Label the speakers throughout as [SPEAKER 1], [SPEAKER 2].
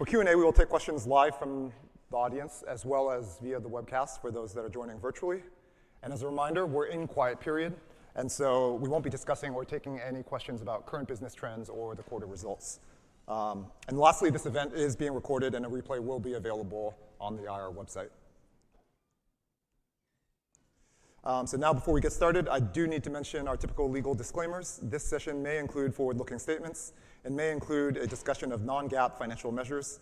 [SPEAKER 1] For Q&A, we will take questions live from the audience as well as via the webcast for those that are joining virtually. As a reminder, we're in quiet period, and we won't be discussing or taking any questions about current business trends or the quarter results. Lastly, this event is being recorded, and a replay will be available on the IR website. Now, before we get started, I do need to mention our typical legal disclaimers. This session may include forward-looking statements and may include a discussion of non-GAAP financial measures.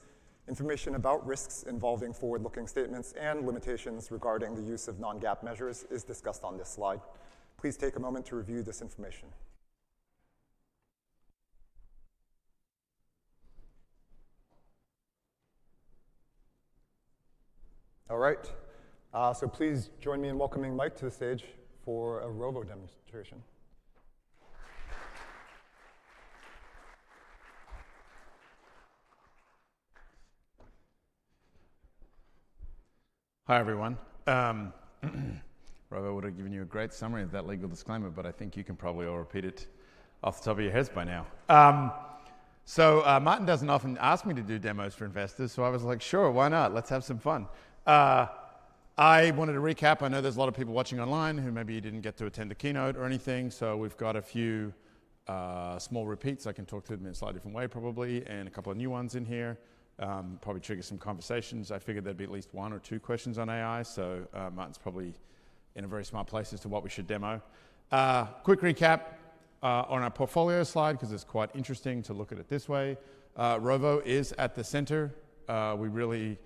[SPEAKER 1] Information about risks involving forward-looking statements and limitations regarding the use of non-GAAP measures is discussed on this slide. Please take a moment to review this information. All right. Please join me in welcoming Mike to the stage for a Rovo demonstration.
[SPEAKER 2] Hi, everyone. Rovo would have given you a great summary of that legal disclaimer, but I think you can probably all repeat it off the top of your heads by now. Martin doesn't often ask me to do demos for investors, so I was like, sure, why not? Let's have some fun. I wanted to recap. I know there's a lot of people watching online who maybe didn't get to attend the keynote or anything, so we've got a few small repeats. I can talk to them in a slightly different way, probably, and a couple of new ones in here. Probably trigger some conversations. I figured there'd be at least one or two questions on AI, so Martin's probably in a very smart place as to what we should demo. Quick recap on our portfolio slide, because it's quite interesting to look at it this way. Rovo is at the center. We're really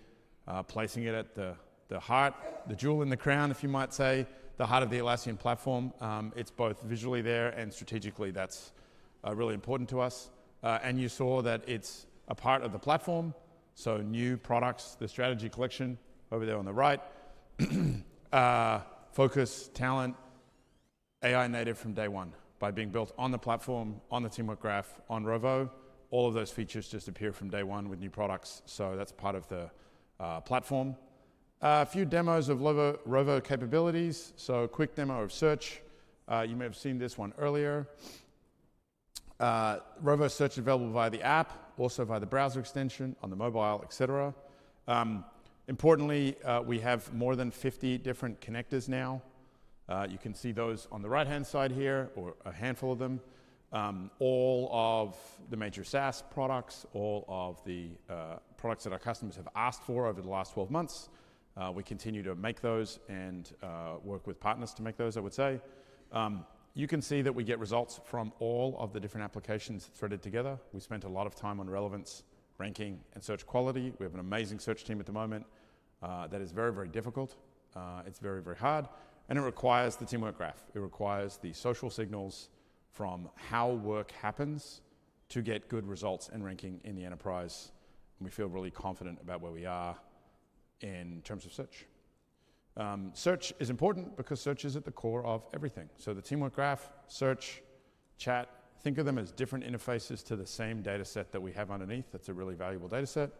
[SPEAKER 2] placing it at the heart, the jewel in the crown, if you might say, the heart of the Atlassian platform. It's both visually there and strategically, that's really important to us. You saw that it's a part of the platform. New products, the strategy collection over there on the right, focus, talent, AI native from day one by being built on the platform, on the Teamwork Graph, on Rovo. All of those features just appear from day one with new products, so that's part of the platform. A few demos of Rovo capabilities. A quick demo of search. You may have seen this one earlier. Rovo search is available via the app, also via the browser extension on the mobile, et cetera. Importantly, we have more than 50 different connectors now. You can see those on the right-hand side here, or a handful of them. All of the major SaaS products, all of the products that our customers have asked for over the last 12 months. We continue to make those and work with partners to make those, I would say. You can see that we get results from all of the different applications threaded together. We spent a lot of time on relevance, ranking, and search quality. We have an amazing search team at the moment. That is very, very difficult. It's very, very hard. It requires the teamwork graph. It requires the social signals from how work happens to get good results and ranking in the enterprise. We feel really confident about where we are in terms of search. Search is important because search is at the core of everything. The teamwork graph, search, chat, think of them as different interfaces to the same data set that we have underneath. That's a really valuable data set.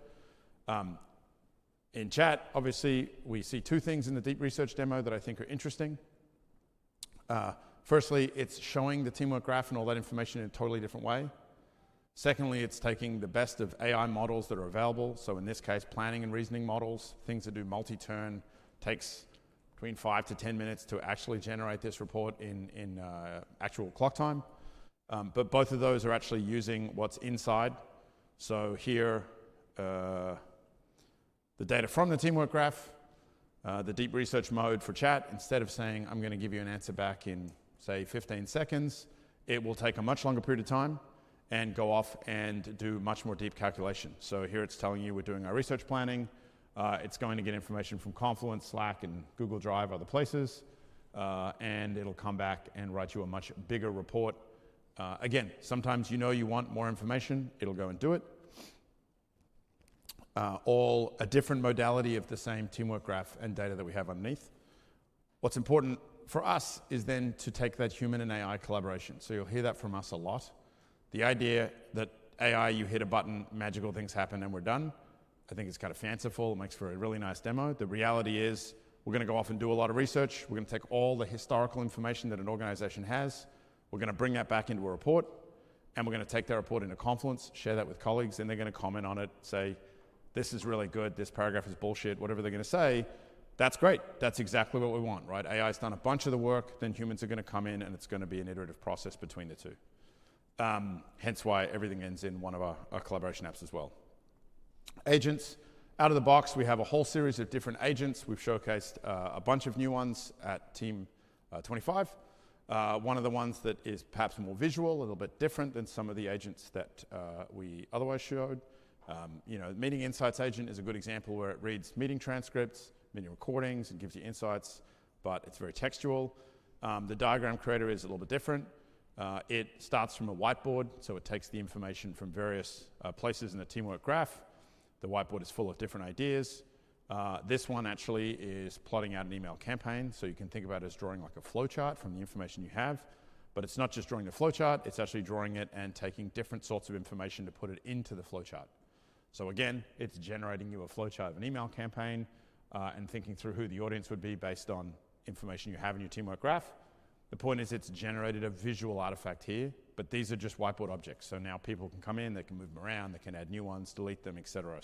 [SPEAKER 2] In chat, obviously, we see two things in the deep research demo that I think are interesting. Firstly, it's showing the teamwork graph and all that information in a totally different way. Secondly, it's taking the best of AI models that are available. In this case, planning and reasoning models, things that do multi-turn, take between 5-10 minutes to actually generate this report in actual clock time. Both of those are actually using what's inside. Here, the data from the teamwork graph, the deep research mode for chat, instead of saying, I'm going to give you an answer back in, say, 15 seconds, it will take a much longer period of time and go off and do much more deep calculations. Here, it's telling you we're doing our research planning. It's going to get information from Confluence, Slack, and Google Drive, other places. It'll come back and write you a much bigger report. Again, sometimes you know you want more information. It'll go and do it. All a different modality of the same teamwork graph and data that we have underneath. What's important for us is then to take that human and AI collaboration. You'll hear that from us a lot. The idea that AI, you hit a button, magical things happen, and we're done, I think it's kind of fanciful. It makes for a really nice demo. The reality is we're going to go off and do a lot of research. We're going to take all the historical information that an organization has. We're going to bring that back into a report. We're going to take that report into Confluence, share that with colleagues, and they're going to comment on it, say, this is really good, this paragraph is bullshit, whatever they're going to say. That's great. That's exactly what we want, right? AI's done a bunch of the work. Humans are going to come in, and it's going to be an iterative process between the two. Hence why everything ends in one of our collaboration apps as well. Agents. Out of the box, we have a whole series of different agents. We've showcased a bunch of new ones at Team 25. One of the ones that is perhaps more visual, a little bit different than some of the agents that we otherwise showed. Meeting Insights agent is a good example where it reads meeting transcripts, meeting recordings, and gives you insights, but it's very textual. The Diagram Creator is a little bit different. It starts from a whiteboard, so it takes the information from various places in the teamwork graph. The whiteboard is full of different ideas. This one actually is plotting out an email campaign. You can think about it as drawing like a flow chart from the information you have. It's not just drawing the flow chart. It's actually drawing it and taking different sorts of information to put it into the flow chart. Again, it's generating you a flow chart of an email campaign and thinking through who the audience would be based on information you have in your teamwork graph. The point is it's generated a visual artifact here, but these are just whiteboard objects. Now people can come in. They can move them around. They can add new ones, delete them, et cetera.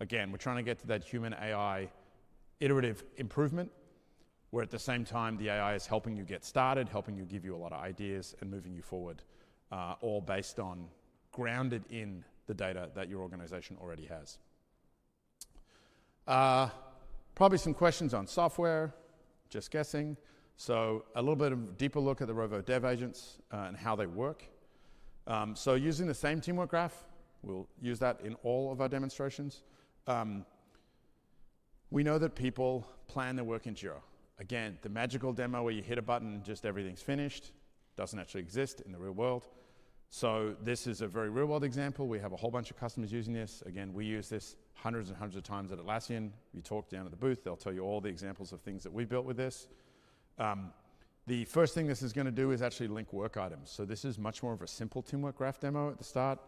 [SPEAKER 2] Again, we're trying to get to that human-AI iterative improvement where at the same time the AI is helping you get started, helping you give you a lot of ideas, and moving you forward, all based on grounded in the data that your organization already has. Probably some questions on software, just guessing. A little bit of a deeper look at the Rovo Dev agents and how they work. Using the same teamwork graph, we'll use that in all of our demonstrations. We know that people plan their work in Jira. Again, the magical demo where you hit a button and just everything's finished doesn't actually exist in the real world. This is a very real-world example. We have a whole bunch of customers using this. Again, we use this hundreds and hundreds of times at Atlassian. You talk down at the booth, they'll tell you all the examples of things that we built with this. The first thing this is going to do is actually link work items. This is much more of a simple teamwork graph demo at the start.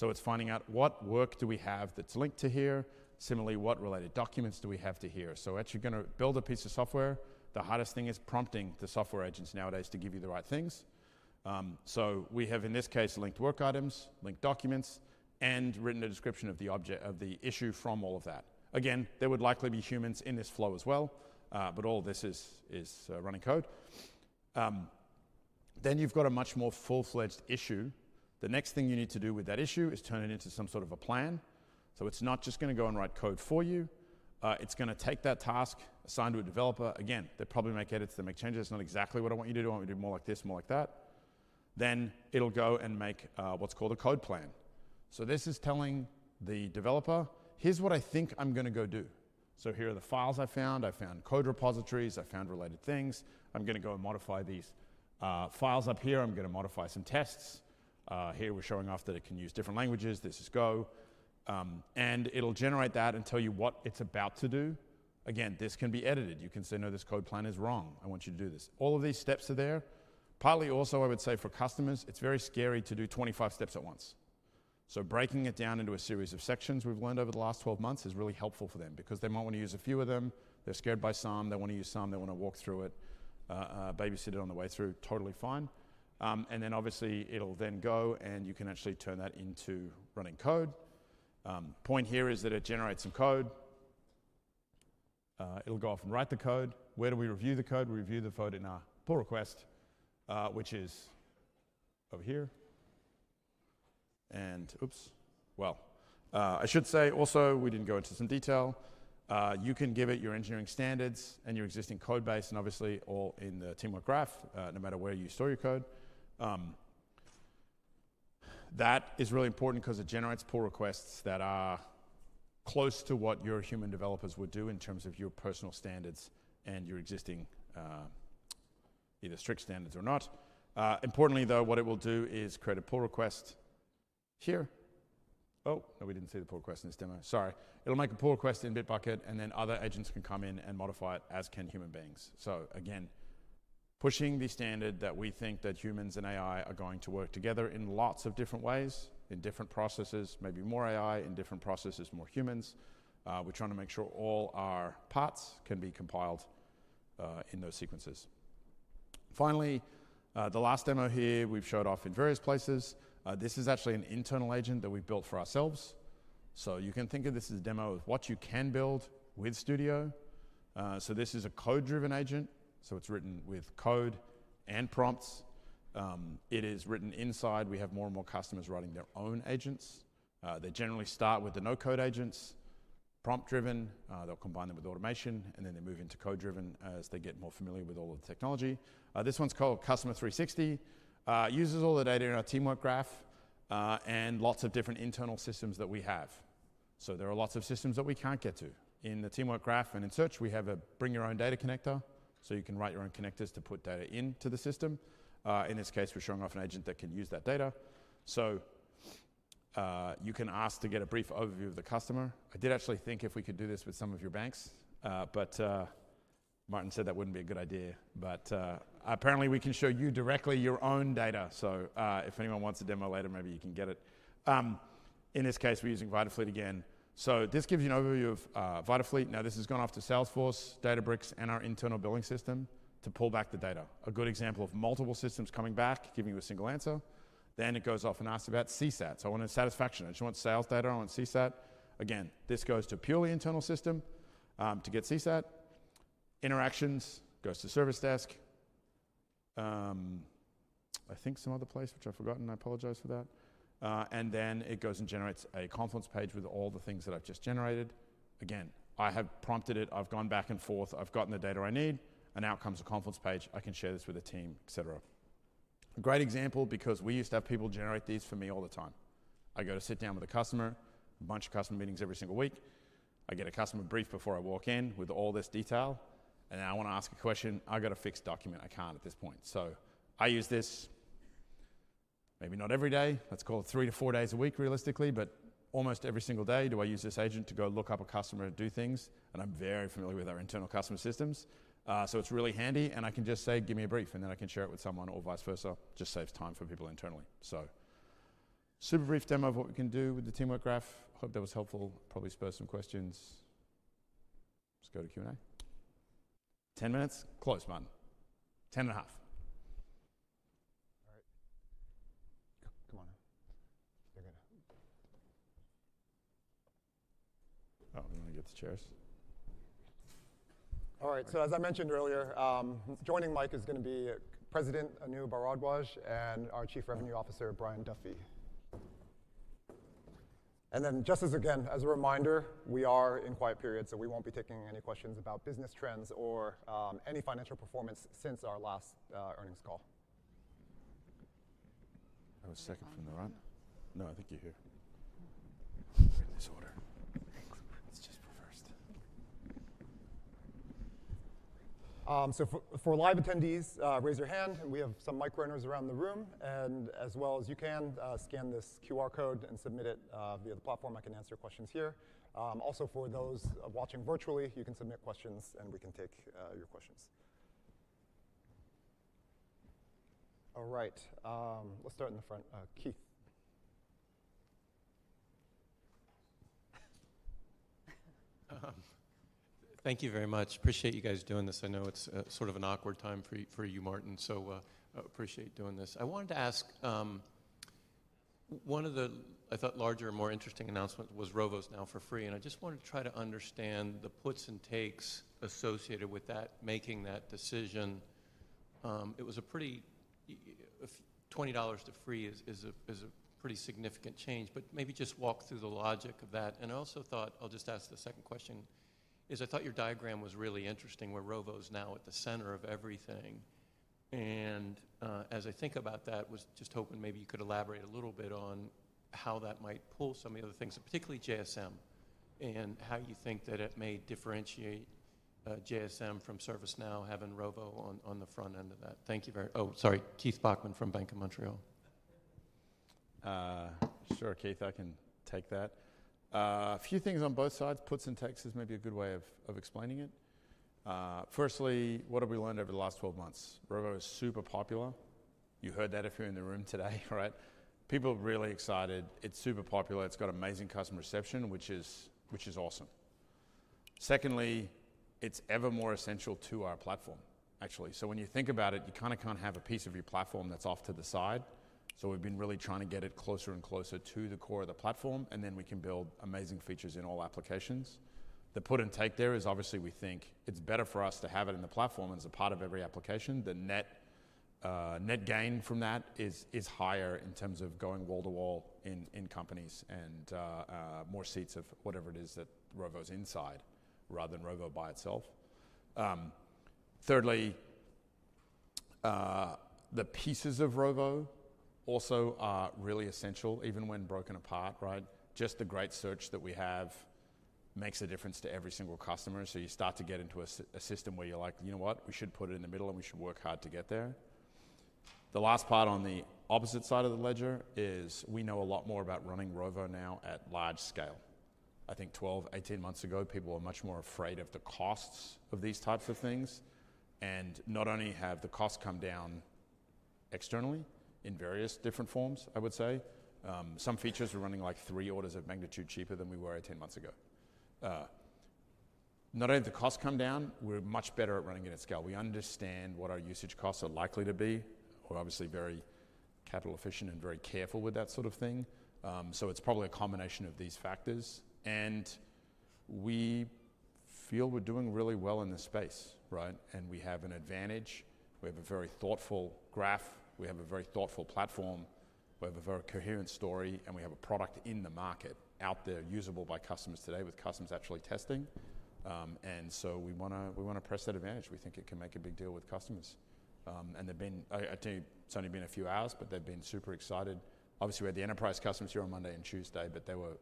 [SPEAKER 2] It's finding out what work do we have that's linked to here. Similarly, what related documents do we have to here? Actually going to build a piece of software. The hardest thing is prompting the software agents nowadays to give you the right things. We have, in this case, linked work items, linked documents, and written a description of the issue from all of that. Again, there would likely be humans in this flow as well, but all of this is running code. You have a much more full-fledged issue. The next thing you need to do with that issue is turn it into some sort of a plan. It is not just going to go and write code for you. It is going to take that task assigned to a developer. Again, they probably make edits. They make changes. It is not exactly what I want you to do. I want you to do more like this, more like that. It will go and make what is called a code plan. This is telling the developer, here is what I think I am going to go do. Here are the files I found. I found code repositories. I found related things. I'm going to go and modify these files up here. I'm going to modify some tests. Here we're showing off that it can use different languages. This is Go. And it'll generate that and tell you what it's about to do. Again, this can be edited. You can say, no, this code plan is wrong. I want you to do this. All of these steps are there. Partly also, I would say for customers, it's very scary to do 25 steps at once. Breaking it down into a series of sections we've learned over the last 12 months is really helpful for them because they might want to use a few of them. They're scared by some. They want to use some. They want to walk through it. Babysit it on the way through. Totally fine. Obviously, it'll then go and you can actually turn that into running code. Point here is that it generates some code. It'll go off and write the code. Where do we review the code? We review the code in our pull request, which is over here. Oops. I should say also, we didn't go into some detail. You can give it your engineering standards and your existing code base, and obviously all in the teamwork graph, no matter where you store your code. That is really important because it generates pull requests that are close to what your human developers would do in terms of your personal standards and your existing either strict standards or not. Importantly, though, what it will do is create a pull request here. Oh, no, we didn't see the pull request in this demo. Sorry. It'll make a pull request in Bitbucket, and then other agents can come in and modify it as can human beings. Again, pushing the standard that we think that humans and AI are going to work together in lots of different ways, in different processes, maybe more AI in different processes, more humans. We're trying to make sure all our parts can be compiled in those sequences. Finally, the last demo here we've showed off in various places. This is actually an internal agent that we've built for ourselves. You can think of this as a demo of what you can build with Studio. This is a code-driven agent. It's written with code and prompts. It is written inside. We have more and more customers writing their own agents. They generally start with the no-code agents, prompt-driven. They'll combine them with automation, and then they move into code-driven as they get more familiar with all of the technology. This one's called Customer 360. It uses all the data in our teamwork graph and lots of different internal systems that we have. There are lots of systems that we can't get to. In the teamwork graph and in search, we have a bring your own data connector. You can write your own connectors to put data into the system. In this case, we're showing off an agent that can use that data. You can ask to get a brief overview of the customer. I did actually think if we could do this with some of your banks, but Martin said that wouldn't be a good idea. Apparently, we can show you directly your own data. If anyone wants a demo later, maybe you can get it. In this case, we're using VitaFleet again. This gives you an overview of VitaFleet. Now, this has gone off to sales force, Databricks, and our internal billing system to pull back the data. A good example of multiple systems coming back, giving you a single answer. It goes off and asks about CSAT. I want a satisfaction. I just want sales data. I want CSAT. This goes to a purely internal system to get CSAT. Interactions goes to service desk. I think some other place, which I've forgotten. I apologize for that. It goes and generates a Confluence page with all the things that I've just generated. I have prompted it. I've gone back and forth. I've gotten the data I need. Out comes a Confluence page. I can share this with a team, et cetera. A great example because we used to have people generate these for me all the time. I go to sit down with a customer, a bunch of customer meetings every single week. I get a customer brief before I walk in with all this detail. I want to ask a question. I have got a fixed document. I cannot at this point. I use this. Maybe not every day. Let's call it three to four days a week, realistically, but almost every single day do I use this agent to go look up a customer and do things. I am very familiar with our internal customer systems. It is really handy. I can just say, give me a brief, and then I can share it with someone or vice versa. It just saves time for people internally. Super brief demo of what we can do with the teamwork graph. Hope that was helpful. Probably spurred some questions. Let's go to Q&A. Ten minutes. Close button. Ten and a half. All right. Come on. You're good. Oh, we want to get the chairs.
[SPEAKER 1] All right. As I mentioned earlier, joining Mike is going to be President Anu Bharadwaj and our Chief Revenue Officer, Brian Duffy. Just as a reminder, we are in quiet period, so we won't be taking any questions about business trends or any financial performance since our last earnings call. I have a second from the front. No, I think you're here. We're in this order. Thanks. It's just reversed. For live attendees, raise your hand. We have some mic runners around the room. As well as you can scan this QR code and submit it via the platform, I can answer questions here. Also, for those watching virtually, you can submit questions and we can take your questions. All right. Let's start in the front. Keith.
[SPEAKER 3] Thank you very much. Appreciate you guys doing this. I know it's sort of an awkward time for you, Martin. So appreciate doing this. I wanted to ask one of the, I thought, larger, more interesting announcements was Rovo's now for free. And I just wanted to try to understand the puts and takes associated with that, making that decision. It was a pretty $20 to free is a pretty significant change, but maybe just walk through the logic of that. I also thought, I'll just ask the second question, is I thought your diagram was really interesting where Rovo's now at the center of everything. As I think about that, was just hoping maybe you could elaborate a little bit on how that might pull some of the other things, particularly JSM, and how you think that it may differentiate JSM from ServiceNow having Rovo on the front end of that. Thank you very much. Oh, sorry. Keith Bachman from Bank of Montreal. Sure, Keith. I can take that. A few things on both sides. Puts and takes is maybe a good way of explaining it. Firstly, what have we learned over the last 12 months? Rovo is super popular. You heard that if you're in the room today, right? People are really excited. It's super popular. It's got amazing customer reception, which is awesome.
[SPEAKER 2] Secondly, it's ever more essential to our platform, actually. When you think about it, you kind of can't have a piece of your platform that's off to the side. We've been really trying to get it closer and closer to the core of the platform, and then we can build amazing features in all applications. The put and take there is obviously we think it's better for us to have it in the platform as a part of every application. The net gain from that is higher in terms of going wall to wall in companies and more seats of whatever it is that Rovo's inside rather than Rovo by itself. Thirdly, the pieces of Rovo also are really essential, even when broken apart, right? Just the great search that we have makes a difference to every single customer. You start to get into a system where you're like, you know what? We should put it in the middle and we should work hard to get there. The last part on the opposite side of the ledger is we know a lot more about running Rovo now at large scale. I think 12, 18 months ago, people were much more afraid of the costs of these types of things and not only have the costs come down externally in various different forms, I would say. Some features are running like three orders of magnitude cheaper than we were 18 months ago. Not only have the costs come down, we're much better at running it at scale. We understand what our usage costs are likely to be. We're obviously very capital efficient and very careful with that sort of thing. It's probably a combination of these factors. We feel we're doing really well in this space, right? We have an advantage. We have a very thoughtful graph. We have a very thoughtful platform. We have a very coherent story, and we have a product in the market out there usable by customers today with customers actually testing. We want to press that advantage. We think it can make a big deal with customers. It's only been a few hours, but they've been super excited. Obviously, we had the enterprise customers here on Monday and Tuesday, but they were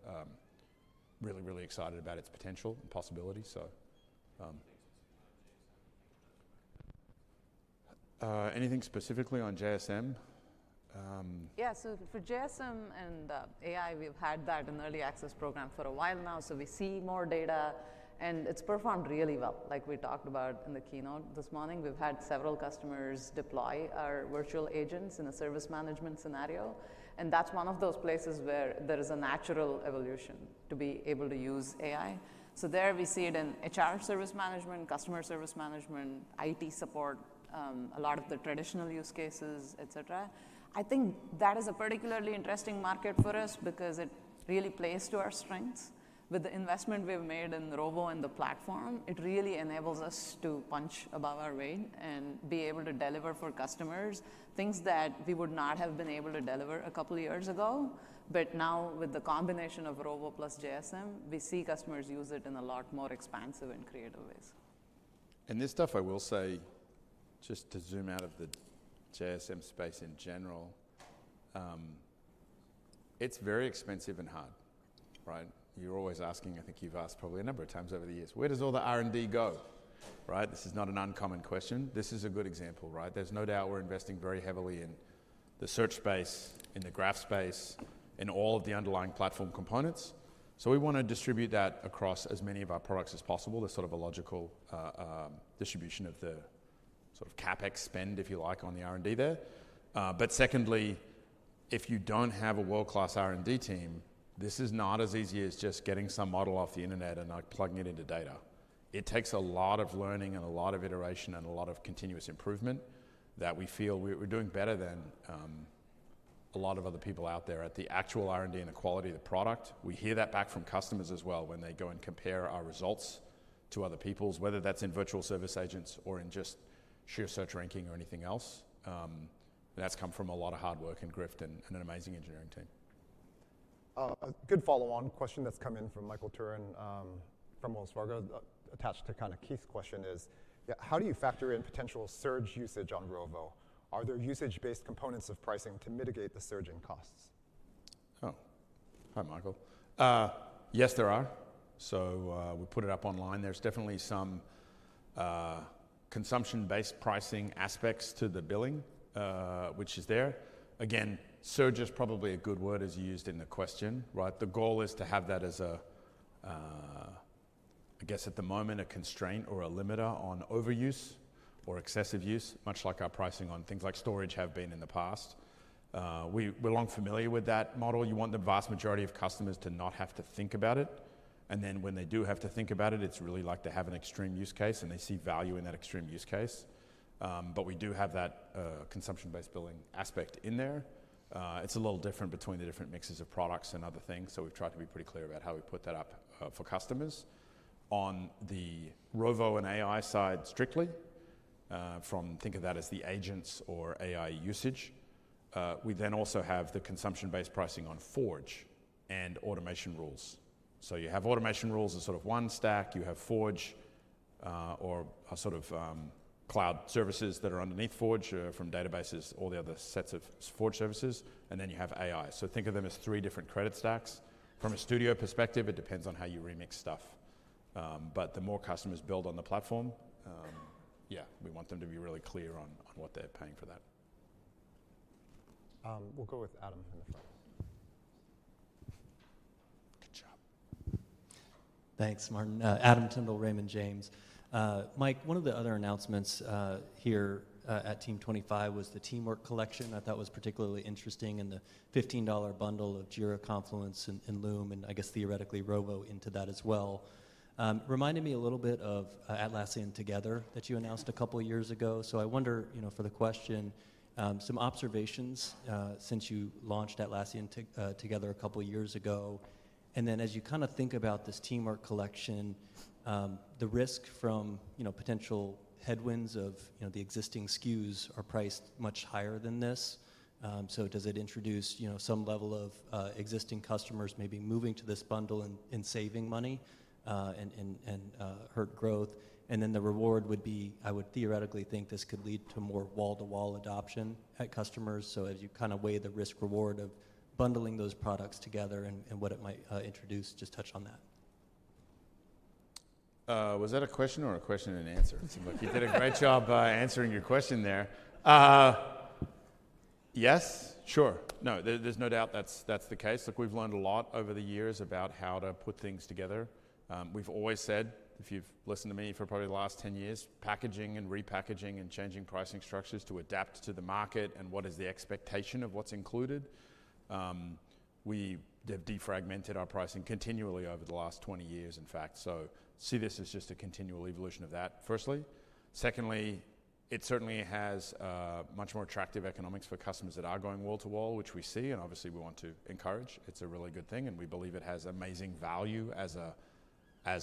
[SPEAKER 2] really, really excited about its potential and possibility. Thanks for some time on JSM. Anything specifically on JSM? Yeah. For JSM and AI, we've had that in early access program for a while now. We see more data, and it's performed really well. Like we talked about in the keynote this morning, we've had several customers deploy our virtual agents in a service management scenario. That is one of those places where there is a natural evolution to be able to use AI. There we see it in HR service management, customer service management, IT support, a lot of the traditional use cases, et cetera. I think that is a particularly interesting market for us because it really plays to our strengths. With the investment we've made in Rovo and the platform, it really enables us to punch above our weight and be able to deliver for customers things that we would not have been able to deliver a couple of years ago. Now with the combination of Rovo plus JSM, we see customers use it in a lot more expansive and creative ways. This stuff, I will say, just to zoom out of the JSM space in general, is very expensive and hard, right? You're always asking, I think you've asked probably a number of times over the years, where does all the R&D go? Right? This is not an uncommon question. This is a good example, right? There's no doubt we're investing very heavily in the search space, in the graph space, in all of the underlying platform components. We want to distribute that across as many of our products as possible. There's sort of a logical distribution of the sort of CapEx spend, if you like, on the R&D there. If you don't have a world-class R&D team, this is not as easy as just getting some model off the internet and plugging it into data. It takes a lot of learning and a lot of iteration and a lot of continuous improvement that we feel we're doing better than a lot of other people out there at the actual R&D and the quality of the product. We hear that back from customers as well when they go and compare our results to other people's, whether that's in virtual service agents or in just sheer search ranking or anything else. That has come from a lot of hard work and grift and an amazing engineering team.
[SPEAKER 1] Good follow-on question that's come in from Michael Turrin from Wells Fargo attached to kind of Keith's question is, how do you factor in potential surge usage on Rovo? Are there usage-based components of pricing to mitigate the surge in costs? Hi, Michael.
[SPEAKER 2] Yes, there are. We put it up online. There's definitely some consumption-based pricing aspects to the billing, which is there. Again, surge is probably a good word as used in the question, right? The goal is to have that as, I guess at the moment, a constraint or a limiter on overuse or excessive use, much like our pricing on things like storage have been in the past. We're long familiar with that model. You want the vast majority of customers to not have to think about it. When they do have to think about it, it's really like they have an extreme use case and they see value in that extreme use case. We do have that consumption-based billing aspect in there. It's a little different between the different mixes of products and other things. We have tried to be pretty clear about how we put that up for customers. On the Rovo and AI side strictly, think of that as the agents or AI usage. We then also have the consumption-based pricing on Forge and automation rules. You have automation rules as sort of one stack. You have Forge or sort of cloud services that are underneath Forge from databases, all the other sets of Forge services. You have AI. Think of them as three different credit stacks. From a studio perspective, it depends on how you remix stuff. The more customers build on the platform, yeah, we want them to be really clear on what they're paying for that.
[SPEAKER 1] We'll go with Adam in the front. Good job.
[SPEAKER 4] Thanks, Martin. Adam Tindle, Raymond James. Mike, one of the other announcements here at Team '25 was the Teamwork Collection. I thought it was particularly interesting in the $15 bundle of Jira, Confluence, and Loom, and I guess theoretically Rovo into that as well. Reminded me a little bit of Atlassian Together that you announced a couple of years ago. I wonder for the question, some observations since you launched Atlassian Together a couple of years ago. As you kind of think about this Teamwork Collection, the risk from potential headwinds of the existing SKUs are priced much higher than this. Does it introduce some level of existing customers maybe moving to this bundle and saving money and hurt growth? The reward would be, I would theoretically think this could lead to more wall-to-wall adoption at customers. As you kind of weigh the risk-reward of bundling those products together and what it might introduce, just touch on that.
[SPEAKER 2] Was that a question or a question and answer? You did a great job answering your question there. Yes, sure. No, there's no doubt that's the case. Look, we've learned a lot over the years about how to put things together. We've always said, if you've listened to me for probably the last 10 years, packaging and repackaging and changing pricing structures to adapt to the market and what is the expectation of what's included. We have defragmented our pricing continually over the last 20 years, in fact. See this as just a continual evolution of that, firstly. Secondly, it certainly has much more attractive economics for customers that are going wall-to-wall, which we see, and obviously we want to encourage. It's a really good thing, and we believe it has amazing value as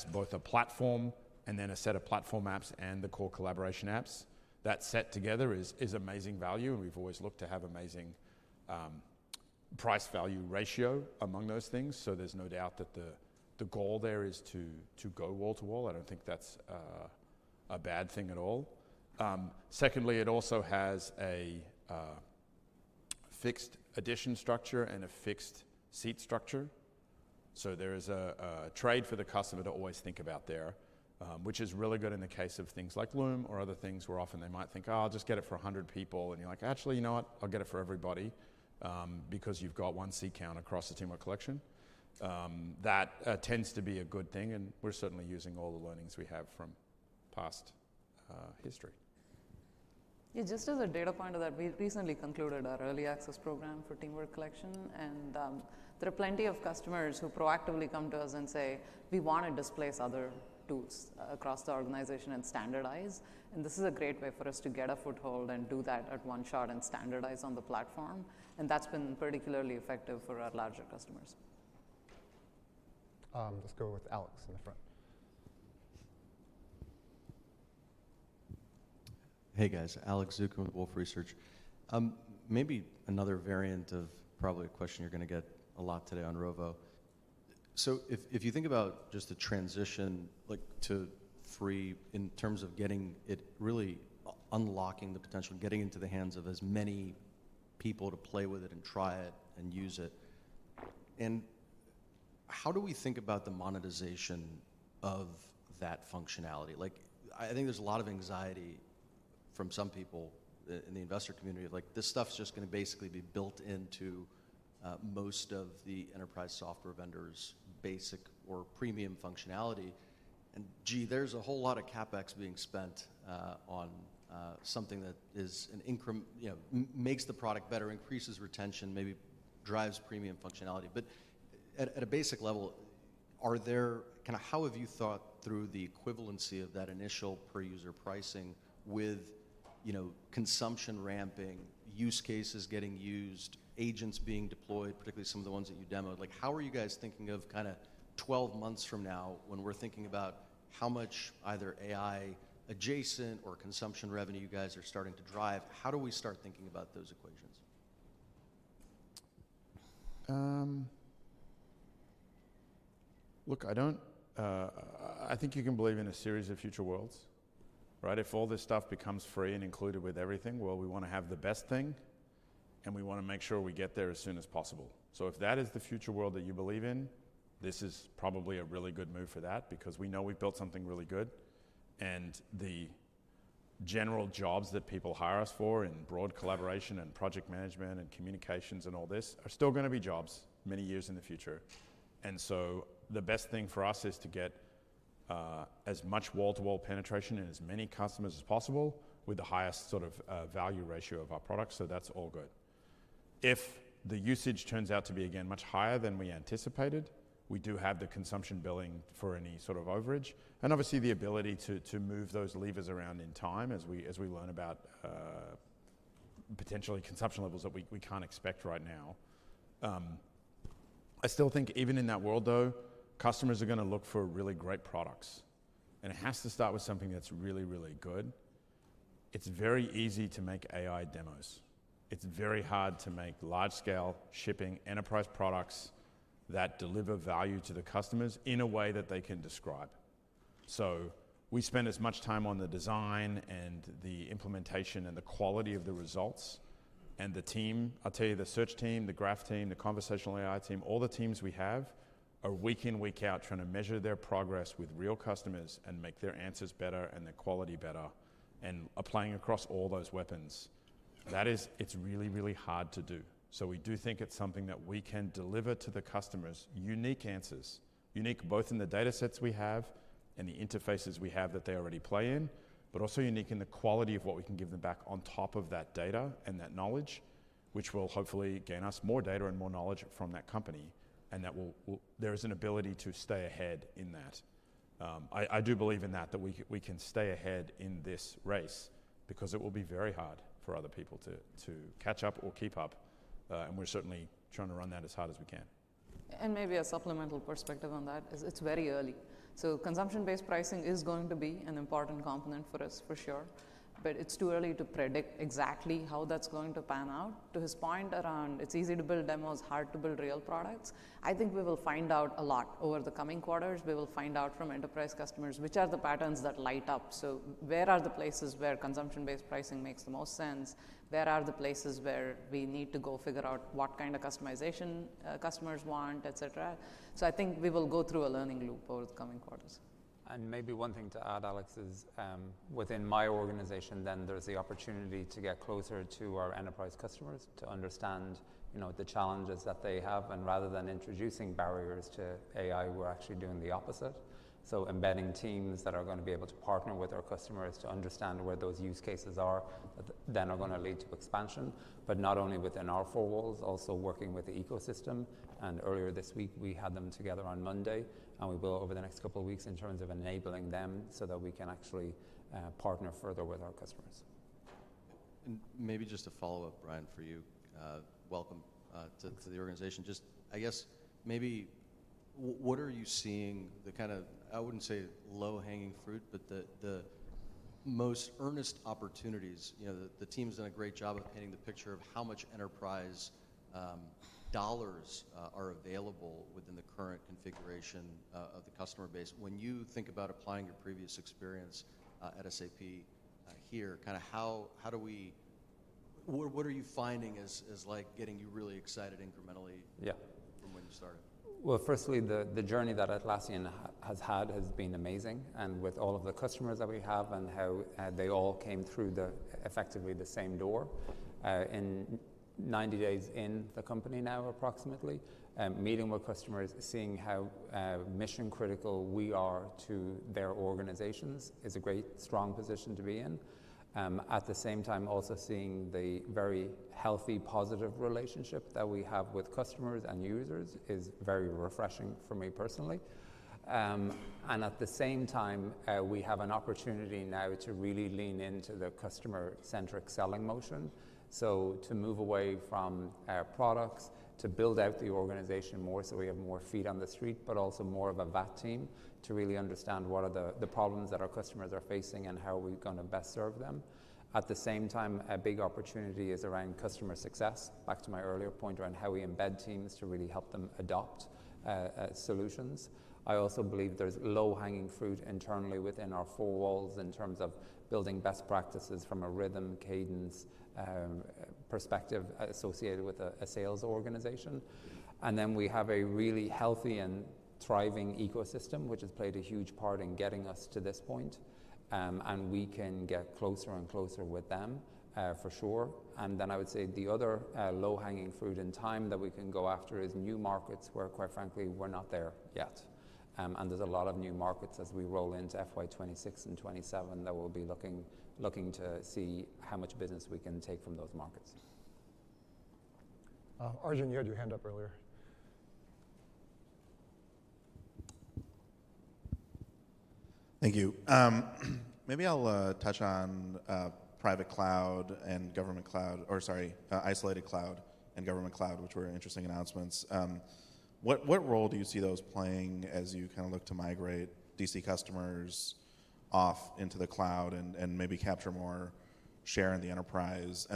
[SPEAKER 2] both a platform and then a set of platform apps and the core collaboration apps. That set together is amazing value, and we've always looked to have amazing price-value ratio among those things. There's no doubt that the goal there is to go wall-to-wall. I don't think that's a bad thing at all. Secondly, it also has a fixed edition structure and a fixed seat structure. There is a trade for the customer to always think about there, which is really good in the case of things like Loom or other things where often they might think, "Oh, I'll just get it for 100 people," and you're like, "Actually, you know what? I'll get it for everybody because you've got one seat count across the Teamwork Collection." That tends to be a good thing, and we're certainly using all the learnings we have from past history.
[SPEAKER 5] Yeah, just as a data point of that, we recently concluded our early access program for Teamwork Collection, and there are plenty of customers who proactively come to us and say, "We want to displace other tools across the organization and standardize." This is a great way for us to get a foothold and do that at one shot and standardize on the platform.
[SPEAKER 1] That has been particularly effective for our larger customers. Let's go with Alex in the front.
[SPEAKER 6] Hey, guys. Alex Zukin with Wolfe Research. Maybe another variant of probably a question you're going to get a lot today on Rovo. If you think about just the transition to free in terms of getting it really unlocking the potential, getting into the hands of as many people to play with it and try it and use it, and how do we think about the monetization of that functionality? I think there's a lot of anxiety from some people in the investor community of like, "This stuff's just going to basically be built into most of the enterprise software vendors' basic or premium functionality." Gee, there's a whole lot of CapEx being spent on something that makes the product better, increases retention, maybe drives premium functionality. At a basic level, kind of how have you thought through the equivalency of that initial per-user pricing with consumption ramping, use cases getting used, agents being deployed, particularly some of the ones that you demoed? How are you guys thinking of kind of 12 months from now when we're thinking about how much either AI-adjacent or consumption revenue you guys are starting to drive? How do we start thinking about those equations?
[SPEAKER 2] Look, I think you can believe in a series of future worlds, right? If all this stuff becomes free and included with everything, we want to have the best thing, and we want to make sure we get there as soon as possible. If that is the future world that you believe in, this is probably a really good move for that because we know we've built something really good. The general jobs that people hire us for in broad collaboration and project management and communications and all this are still going to be jobs many years in the future. The best thing for us is to get as much wall-to-wall penetration and as many customers as possible with the highest sort of value ratio of our products. That is all good. If the usage turns out to be, again, much higher than we anticipated, we do have the consumption billing for any sort of overage. Obviously, the ability to move those levers around in time as we learn about potentially consumption levels that we cannot expect right now. I still think even in that world, though, customers are going to look for really great products. It has to start with something that is really, really good. It is very easy to make AI demos. It is very hard to make large-scale shipping enterprise products that deliver value to the customers in a way that they can describe. We spend as much time on the design and the implementation and the quality of the results. The team, I'll tell you, the search team, the graph team, the conversational AI team, all the teams we have are week in, week out trying to measure their progress with real customers and make their answers better and their quality better and applying across all those weapons. That is, it's really, really hard to do. We do think it's something that we can deliver to the customers, unique answers, unique both in the data sets we have and the interfaces we have that they already play in, but also unique in the quality of what we can give them back on top of that data and that knowledge, which will hopefully gain us more data and more knowledge from that company. There is an ability to stay ahead in that. I do believe in that, that we can stay ahead in this race because it will be very hard for other people to catch up or keep up. We're certainly trying to run that as hard as we can.
[SPEAKER 5] Maybe a supplemental perspective on that is it's very early. Consumption-based pricing is going to be an important component for us, for sure. It's too early to predict exactly how that's going to pan out. To his point around, it's easy to build demos, hard to build real products. I think we will find out a lot over the coming quarters. We will find out from enterprise customers which are the patterns that light up. Where are the places where consumption-based pricing makes the most sense? Where are the places where we need to go figure out what kind of customization customers want, etc.? I think we will go through a learning loop over the coming quarters.
[SPEAKER 1] Maybe one thing to add, Alex, is within my organization, then there's the opportunity to get closer to our enterprise customers to understand the challenges that they have. Rather than introducing barriers to AI, we're actually doing the opposite. Embedding teams that are going to be able to partner with our customers to understand where those use cases are that then are going to lead to expansion. Not only within our four walls, also working with the ecosystem. Earlier this week, we had them together on Monday. We will over the next couple of weeks in terms of enabling them so that we can actually partner further with our customers.
[SPEAKER 6] Maybe just a follow-up, Brian, for you. Welcome to the organization. Just, I guess, maybe what are you seeing the kind of, I would not say low-hanging fruit, but the most earnest opportunities? The team's done a great job of painting the picture of how much enterprise dollars are available within the current configuration of the customer base. When you think about applying your previous experience at SAP here, kind of how do we, what are you finding as getting you really excited incrementally from when you started?
[SPEAKER 7] Firstly, the journey that Atlassian has had has been amazing. With all of the customers that we have and how they all came through effectively the same door. In 90 days in the company now, approximately, meeting with customers, seeing how mission-critical we are to their organizations is a great, strong position to be in. At the same time, also seeing the very healthy, positive relationship that we have with customers and users is very refreshing for me personally. At the same time, we have an opportunity now to really lean into the customer-centric selling motion. To move away from products, to build out the organization more so we have more feet on the street, but also more of a VAT team to really understand what are the problems that our customers are facing and how are we going to best serve them. At the same time, a big opportunity is around customer success. Back to my earlier point around how we embed teams to really help them adopt solutions. I also believe there's low-hanging fruit internally within our four walls in terms of building best practices from a rhythm cadence perspective associated with a sales organization. We have a really healthy and thriving ecosystem, which has played a huge part in getting us to this point. We can get closer and closer with them, for sure. I would say the other low-hanging fruit in time that we can go after is new markets where, quite frankly, we're not there yet. There are a lot of new markets as we roll into fiscal year 2026 and 2027 that we'll be looking to see how much business we can take from those markets.
[SPEAKER 1] Arjun, you had your hand up earlier.
[SPEAKER 8] Thank you. Maybe I'll touch on private cloud and Government Cloud, or sorry, Isolated Cloud and Government Cloud, which were interesting announcements. What role do you see those playing as you kind of look to migrate DC customers off into the cloud and maybe capture more share in the enterprise?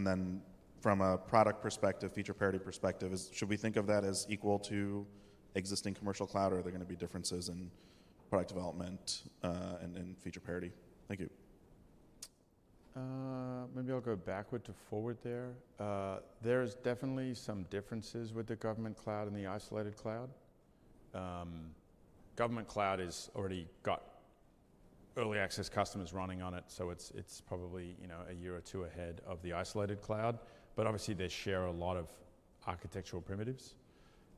[SPEAKER 8] From a product perspective, feature parity perspective, should we think of that as equal to existing commercial cloud, or are there going to be differences in product development and feature parity? Thank you.
[SPEAKER 2] Maybe I'll go backward to forward there. There's definitely some differences with the government cloud and the isolated cloud. Government cloud has already got early access customers running on it, so it's probably a year or two ahead of the isolated cloud. Obviously, they share a lot of architectural primitives.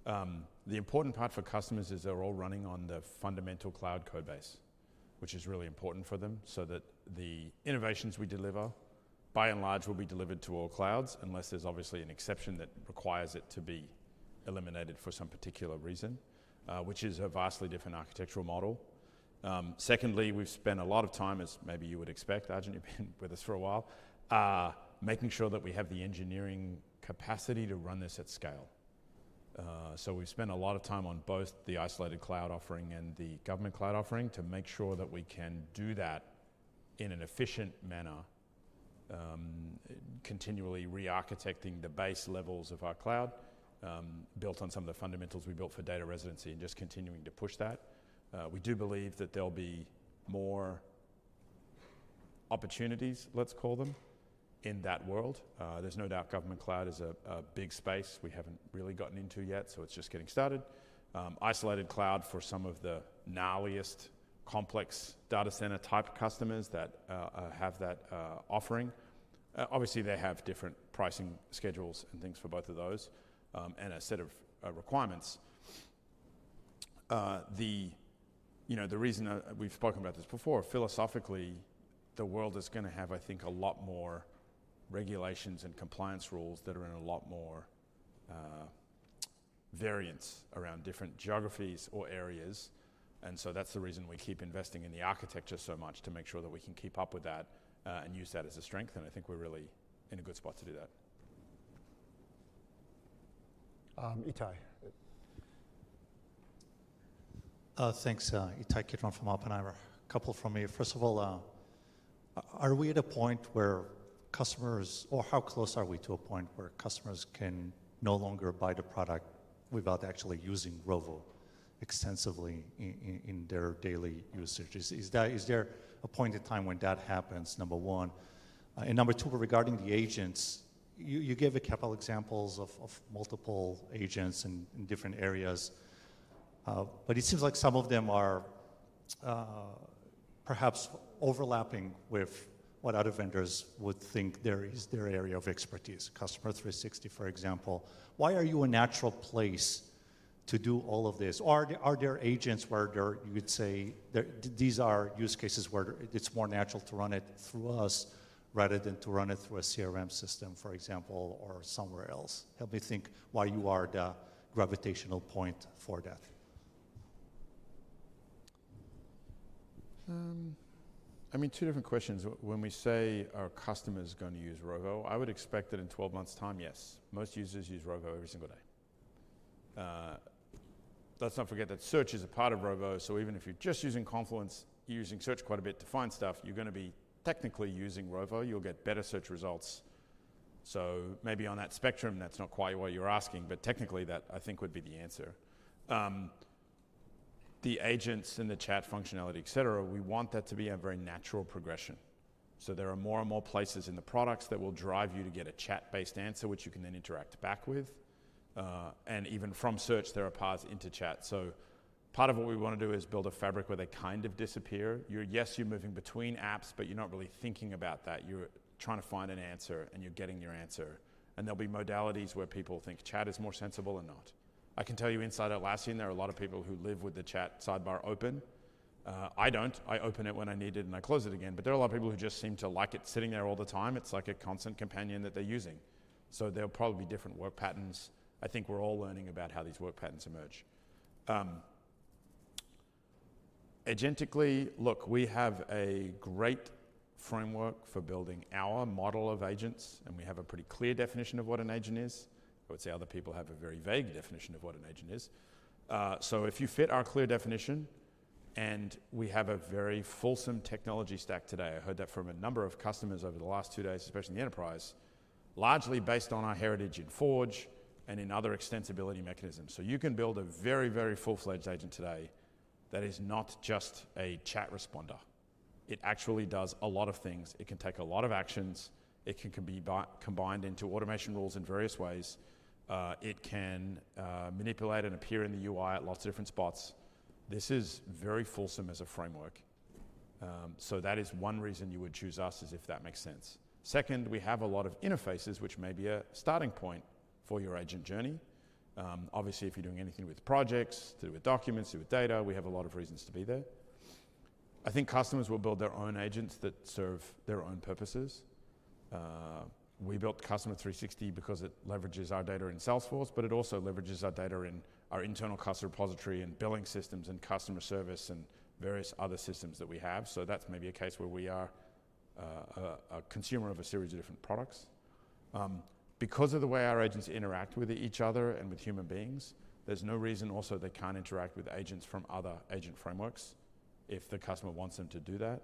[SPEAKER 2] The important part for customers is they're all running on the fundamental cloud code base, which is really important for them so that the innovations we deliver, by and large, will be delivered to all clouds unless there's obviously an exception that requires it to be eliminated for some particular reason, which is a vastly different architectural model. Secondly, we've spent a lot of time, as maybe you would expect, Arjun, you've been with us for a while, making sure that we have the engineering capacity to run this at scale. We've spent a lot of time on both the isolated cloud offering and the government cloud offering to make sure that we can do that in an efficient manner, continually re-architecting the base levels of our cloud built on some of the fundamentals we built for data residency and just continuing to push that. We do believe that there'll be more opportunities, let's call them, in that world. There's no doubt government cloud is a big space we haven't really gotten into yet, so it's just getting started. Isolated cloud for some of the gnarliest complex data center type customers that have that offering. Obviously, they have different pricing schedules and things for both of those and a set of requirements. The reason we've spoken about this before, philosophically, the world is going to have, I think, a lot more regulations and compliance rules that are in a lot more variance around different geographies or areas. That is the reason we keep investing in the architecture so much to make sure that we can keep up with that and use that as a strength. I think we're really in a good spot to do that.
[SPEAKER 1] Itai.
[SPEAKER 9] Thanks, Itai Kidron from Oppenheimer. A couple from me. First of all, are we at a point where customers, or how close are we to a point where customers can no longer buy the product without actually using Rovo extensively in their daily usage? Is there a point in time when that happens, number one? Number two, regarding the agents, you gave a couple of examples of multiple agents in different areas. It seems like some of them are perhaps overlapping with what other vendors would think is their area of expertise, Customer 360, for example. Why are you a natural place to do all of this? Are there agents where you'd say these are use cases where it's more natural to run it through us rather than to run it through a CRM system, for example, or somewhere else? Help me think why you are the gravitational point for that.
[SPEAKER 2] I mean, two different questions. When we say our customer is going to use Rovo, I would expect that in 12 months' time, yes. Most users use Rovo every single day. Let's not forget that search is a part of Rovo. Even if you're just using Confluence, you're using search quite a bit to find stuff, you're going to be technically using Rovo. You'll get better search results. Maybe on that spectrum, that's not quite what you're asking. Technically, that I think would be the answer. The agents and the chat functionality, etc., we want that to be a very natural progression. There are more and more places in the products that will drive you to get a chat-based answer, which you can then interact back with. Even from search, there are paths into chat. Part of what we want to do is build a fabric where they kind of disappear. Yes, you're moving between apps, but you're not really thinking about that. You're trying to find an answer, and you're getting your answer. There'll be modalities where people think chat is more sensible and not. I can tell you inside Atlassian, there are a lot of people who live with the chat sidebar open. I don't. I open it when I need it, and I close it again. There are a lot of people who just seem to like it sitting there all the time. It's like a constant companion that they're using. There'll probably be different work patterns. I think we're all learning about how these work patterns emerge. Agentically, look, we have a great framework for building our model of agents. We have a pretty clear definition of what an agent is. I would say other people have a very vague definition of what an agent is. If you fit our clear definition, and we have a very fulsome technology stack today, I heard that from a number of customers over the last two days, especially in the enterprise, largely based on our heritage in Forge and in other extensibility mechanisms. You can build a very, very full-fledged agent today that is not just a chat responder. It actually does a lot of things. It can take a lot of actions. It can be combined into automation rules in various ways. It can manipulate and appear in the UI at lots of different spots. This is very fulsome as a framework. That is one reason you would choose us, if that makes sense. Second, we have a lot of interfaces, which may be a starting point for your agent journey. Obviously, if you're doing anything with projects, to do with documents, to do with data, we have a lot of reasons to be there. I think customers will build their own agents that serve their own purposes. We built Customer 360 because it leverages our data in Salesforce, but it also leverages our data in our internal cost repository and billing systems and customer service and various other systems that we have. That's maybe a case where we are a consumer of a series of different products. Because of the way our agents interact with each other and with human beings, there's no reason also they can't interact with agents from other agent frameworks if the customer wants them to do that.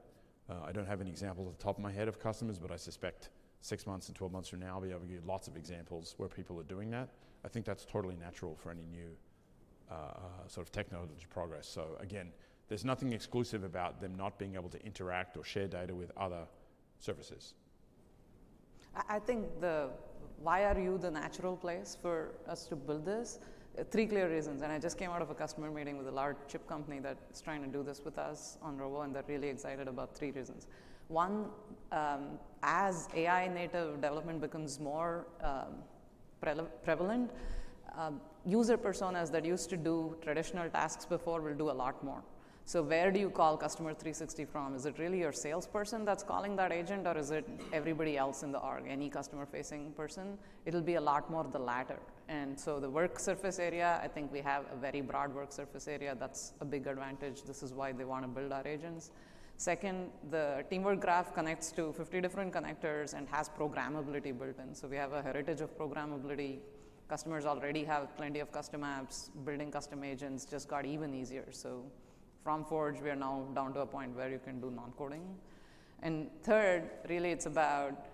[SPEAKER 2] I don't have any examples off the top of my head of customers, but I suspect six months and 12 months from now, I'll be able to give you lots of examples where people are doing that. I think that's totally natural for any new sort of technology progress. There's nothing exclusive about them not being able to interact or share data with other services.
[SPEAKER 5] I think the why are you the natural place for us to build this? Three clear reasons. I just came out of a customer meeting with a large chip company that's trying to do this with us on Rovo, and they're really excited about three reasons. One, as AI-native development becomes more prevalent, user personas that used to do traditional tasks before will do a lot more. Where do you call Customer 360 from? Is it really your salesperson that's calling that agent, or is it everybody else in the arc, any customer-facing person? It'll be a lot more the latter. The work surface area, I think we have a very broad work surface area. That's a big advantage. This is why they want to build our agents. Second, the teamwork graph connects to 50 different connectors and has programmability built in. We have a heritage of programmability. Customers already have plenty of custom apps. Building custom agents just got even easier. From Forge, we are now down to a point where you can do non-coding. Third, really, it's about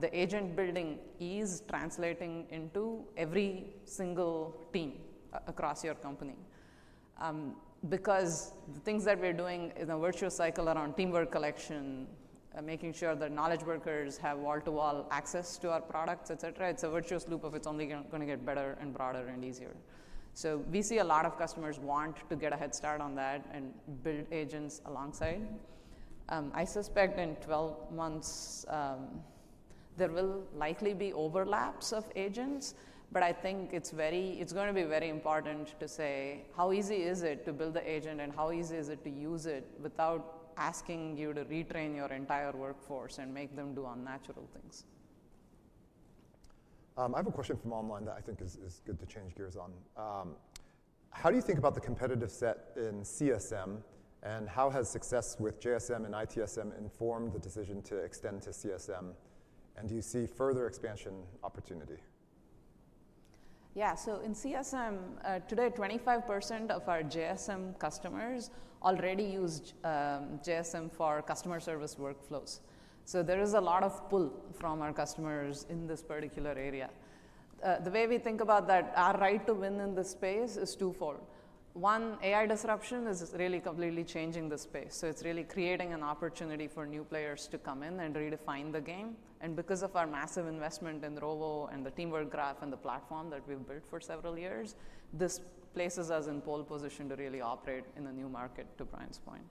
[SPEAKER 5] the agent building is translating into every single team across your company. Because the things that we're doing in the virtual cycle around Teamwork Collection, making sure that knowledge workers have wall-to-wall access to our products, etc., it's a virtuous loop of it's only going to get better and broader and easier. We see a lot of customers want to get a head start on that and build agents alongside. I suspect in 12 months, there will likely be overlaps of agents. I think it's going to be very important to say, how easy is it to build the agent, and how easy is it to use it without asking you to retrain your entire workforce and make them do unnatural things?
[SPEAKER 1] I have a question from online that I think is good to change gears on. How do you think about the competitive set in CSM, and how has success with JSM and ITSM informed the decision to extend to CSM, and do you see further expansion opportunity?
[SPEAKER 5] Yeah. In CSM, today, 25% of our JSM customers already use JSM for customer service workflows. There is a lot of pull from our customers in this particular area. The way we think about that, our right to win in this space is twofold. One, AI disruption is really completely changing the space. It is really creating an opportunity for new players to come in and redefine the game. Because of our massive investment in Rovo and the teamwork graph and the platform that we have built for several years, this places us in pole position to really operate in a new market, to Brian's point.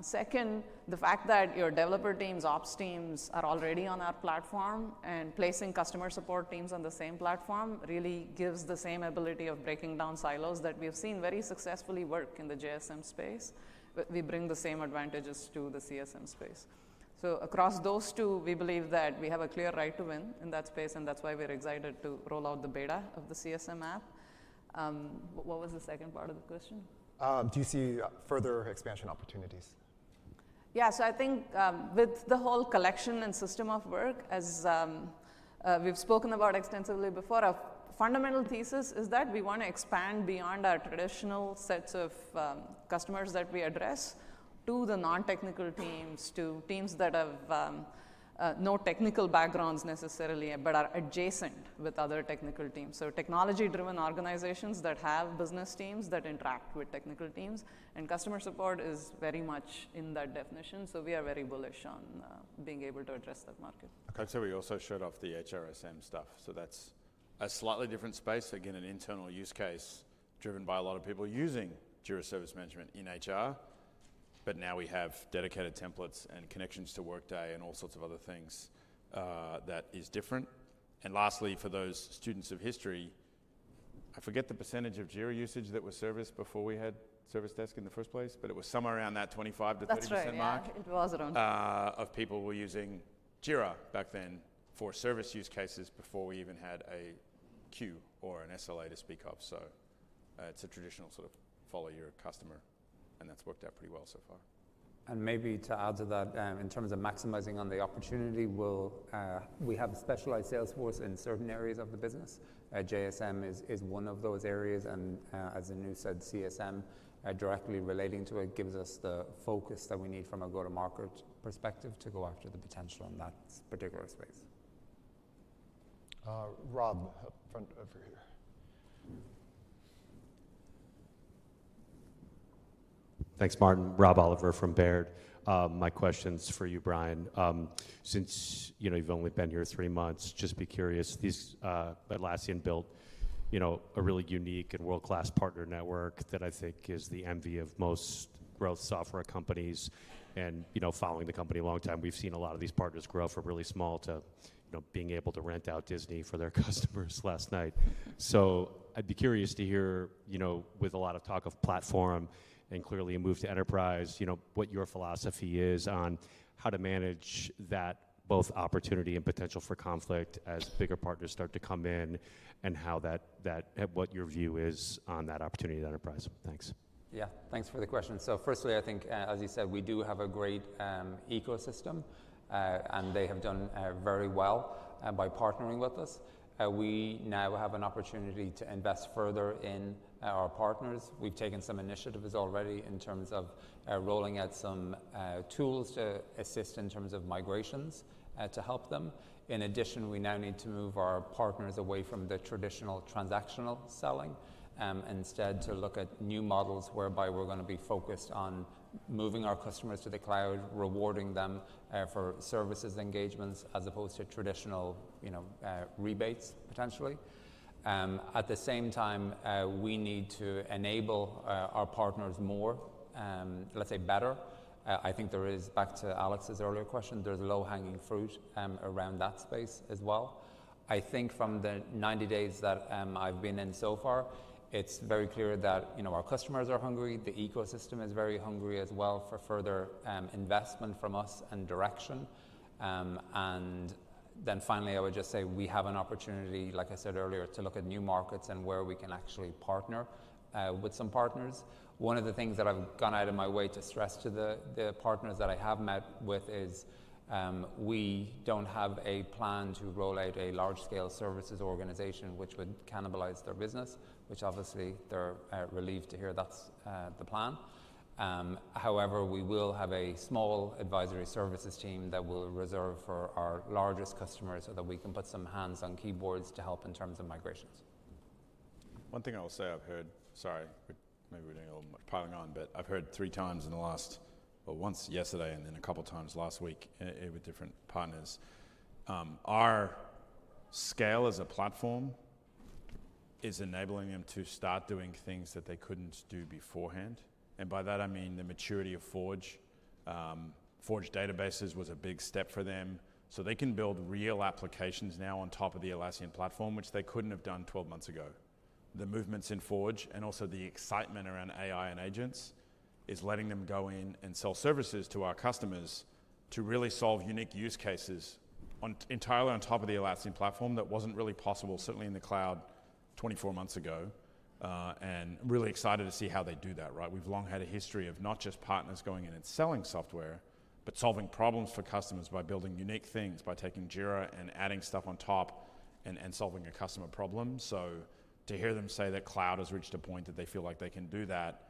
[SPEAKER 2] Second, the fact that your developer teams, ops teams, are already on our platform and placing customer support teams on the same platform really gives the same ability of breaking down silos that we have seen very successfully work in the JSM space. We bring the same advantages to the CSM space. Across those two, we believe that we have a clear right to win in that space, and that's why we're excited to roll out the beta of the CSM app. What was the second part of the question?
[SPEAKER 1] Do you see further expansion opportunities?
[SPEAKER 5] Yeah. I think with the whole collection and system of work, as we've spoken about extensively before, our fundamental thesis is that we want to expand beyond our traditional sets of customers that we address to the non-technical teams, to teams that have no technical backgrounds necessarily, but are adjacent with other technical teams. Technology-driven organizations that have business teams that interact with technical teams. Customer support is very much in that definition. We are very bullish on being able to address that market.
[SPEAKER 2] I'd say we also showed off the HRSM stuff. That is a slightly different space, again, an internal use case driven by a lot of people using Jira Service Management in HR. Now we have dedicated templates and connections to Workday and all sorts of other things that is different. Lastly, for those students of history, I forget the percentage of Jira usage that was serviced before we had Service Desk in the first place, but it was somewhere around that 25%-30% mark.
[SPEAKER 5] That's right.
[SPEAKER 2] It was around. People were using Jira back then for service use cases before we even had a queue or an SLA to speak of. It is a traditional sort of follow your customer, and that's worked out pretty well so far.
[SPEAKER 7] Maybe to add to that, in terms of maximizing on the opportunity, we have a specialized Salesforce in certain areas of the business. JSM is one of those areas. As Anu said, CSM directly relating to it gives us the focus that we need from a go-to-market perspective to go after the potential in that particular space.
[SPEAKER 1] Rob, up front over here. Thanks, Martin.
[SPEAKER 10] Rob Oliver from Baird. My question's for you, Brian. Since you've only been here three months, just be curious. Atlassian built a really unique and world-class partner network that I think is the envy of most growth software companies. Following the company a long time, we've seen a lot of these partners grow from really small to being able to rent out Disney for their customers last night. I'd be curious to hear, with a lot of talk of platform and clearly a move to enterprise, what your philosophy is on how to manage that both opportunity and potential for conflict as bigger partners start to come in and what your view is on that opportunity at enterprise. Thanks.
[SPEAKER 7] Yeah. Thanks for the question. Firstly, I think, as you said, we do have a great ecosystem, and they have done very well by partnering with us. We now have an opportunity to invest further in our partners. We've taken some initiatives already in terms of rolling out some tools to assist in terms of migrations to help them. In addition, we now need to move our partners away from the traditional transactional selling and instead to look at new models whereby we're going to be focused on moving our customers to the cloud, rewarding them for services engagements as opposed to traditional rebates potentially. At the same time, we need to enable our partners more, let's say, better. I think there is, back to Alex's earlier question, there's low-hanging fruit around that space as well. I think from the 90 days that I've been in so far, it's very clear that our customers are hungry. The ecosystem is very hungry as well for further investment from us and direction. Finally, I would just say we have an opportunity, like I said earlier, to look at new markets and where we can actually partner with some partners. One of the things that I've gone out of my way to stress to the partners that I have met with is we don't have a plan to roll out a large-scale services organization, which would cannibalize their business, which obviously they're relieved to hear that's the plan. However, we will have a small advisory services team that we'll reserve for our largest customers so that we can put some hands on keyboards to help in terms of migrations.
[SPEAKER 2] One thing I will say I've heard—sorry, maybe we didn't get all much piling on—but I've heard three times in the last, once yesterday and then a couple of times last week with different partners. Our scale as a platform is enabling them to start doing things that they couldn't do beforehand. By that, I mean the maturity of Forge databases was a big step for them. They can build real applications now on top of the Atlassian platform, which they couldn't have done 12 months ago. The movements in Forge and also the excitement around AI and agents is letting them go in and sell services to our customers to really solve unique use cases entirely on top of the Atlassian platform that wasn't really possible, certainly in the cloud, 24 months ago. I'm really excited to see how they do that, right? We've long had a history of not just partners going in and selling software, but solving problems for customers by building unique things, by taking Jira and adding stuff on top and solving a customer problem. To hear them say that cloud has reached a point that they feel like they can do that,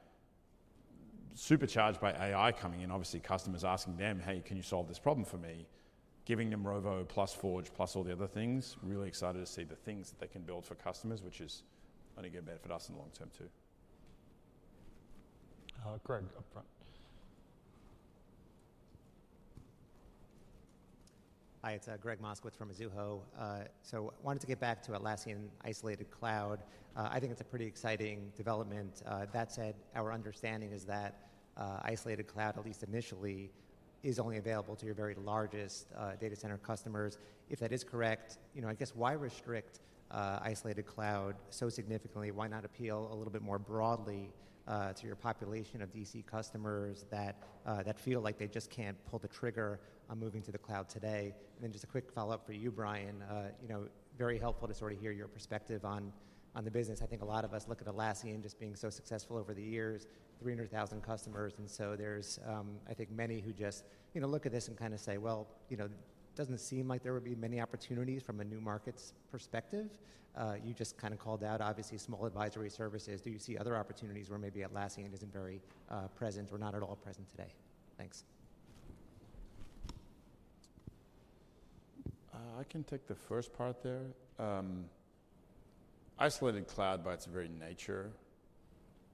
[SPEAKER 2] supercharged by AI coming in, obviously customers asking them, "Hey, can you solve this problem for me?" Giving them Rovo plus Forge plus all the other things, really excited to see the things that they can build for customers, which is only going to benefit us in the long term too.
[SPEAKER 1] Greg, up front.
[SPEAKER 11] Hi. It's Greg Moskowitz from Mizuho. I wanted to get back to Atlassian Isolated Cloud. I think it's a pretty exciting development. That said, our understanding is that Isolated Cloud, at least initially, is only available to your very largest data center customers. If that is correct, I guess why restrict Isolated Cloud so significantly? Why not appeal a little bit more broadly to your population of DC customers that feel like they just can't pull the trigger on moving to the cloud today? And then just a quick follow-up for you, Brian. Very helpful to sort of hear your perspective on the business. I think a lot of us look at Atlassian just being so successful over the years, 300,000 customers. And so there's, I think, many who just look at this and kind of say, "Well, it doesn't seem like there would be many opportunities from a new market's perspective." You just kind of called out, obviously, small advisory services. Do you see other opportunities where maybe Atlassian isn't very present or not at all present today? Thanks.
[SPEAKER 2] I can take the first part there. Isolated Cloud, by its very nature,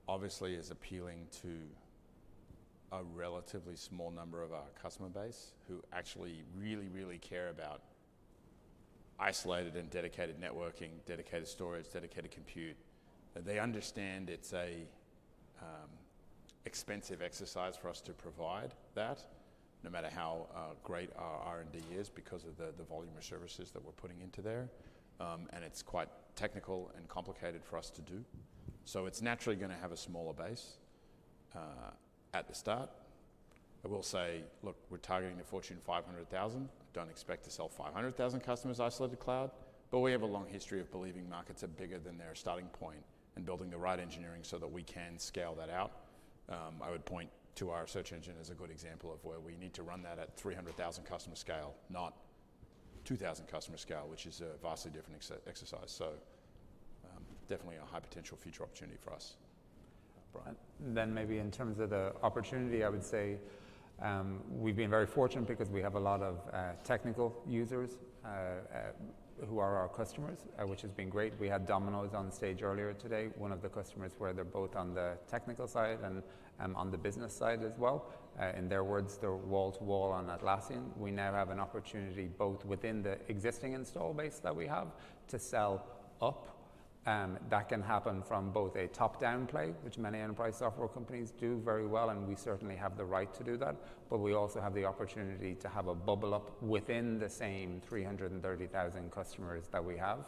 [SPEAKER 2] obviously is appealing to a relatively small number of our customer base who actually really, really care about isolated and dedicated networking, dedicated storage, dedicated compute. They understand it's an expensive exercise for us to provide that, no matter how great our R&D is because of the volume of services that we're putting into there. It's quite technical and complicated for us to do. It's naturally going to have a smaller base at the start. I will say, look, we're targeting the Fortune 500,000. I don't expect to sell 500,000 customers Isolated Cloud, but we have a long history of believing markets are bigger than their starting point and building the right engineering so that we can scale that out. I would point to our search engine as a good example of where we need to run that at 300,000 customer scale, not 2,000 customer scale, which is a vastly different exercise. Definitely a high potential future opportunity for us. Brian.
[SPEAKER 7] Maybe in terms of the opportunity, I would say we've been very fortunate because we have a lot of technical users who are our customers, which has been great. We had Domino's on stage earlier today, one of the customers where they're both on the technical side and on the business side as well. In their words, they're wall-to-wall on Atlassian. We now have an opportunity both within the existing install base that we have to sell up. That can happen from both a top-down play, which many enterprise software companies do very well, and we certainly have the right to do that. We also have the opportunity to have a bubble up within the same 330,000 customers that we have.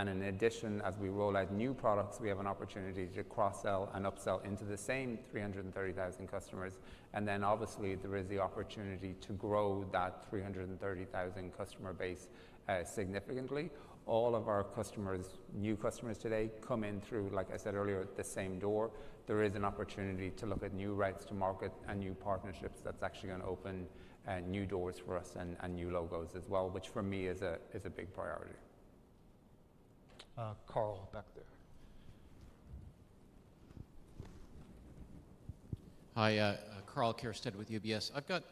[SPEAKER 7] In addition, as we roll out new products, we have an opportunity to cross-sell and upsell into the same 330,000 customers. Obviously, there is the opportunity to grow that 330,000 customer base significantly. All of our new customers today come in through, like I said earlier, the same door. There is an opportunity to look at new rights to market and new partnerships that are actually going to open new doors for us and new logos as well, which for me is a big priority.
[SPEAKER 1] Karl, back there.
[SPEAKER 12] Hi. Karl Keirstead with UBS. I've got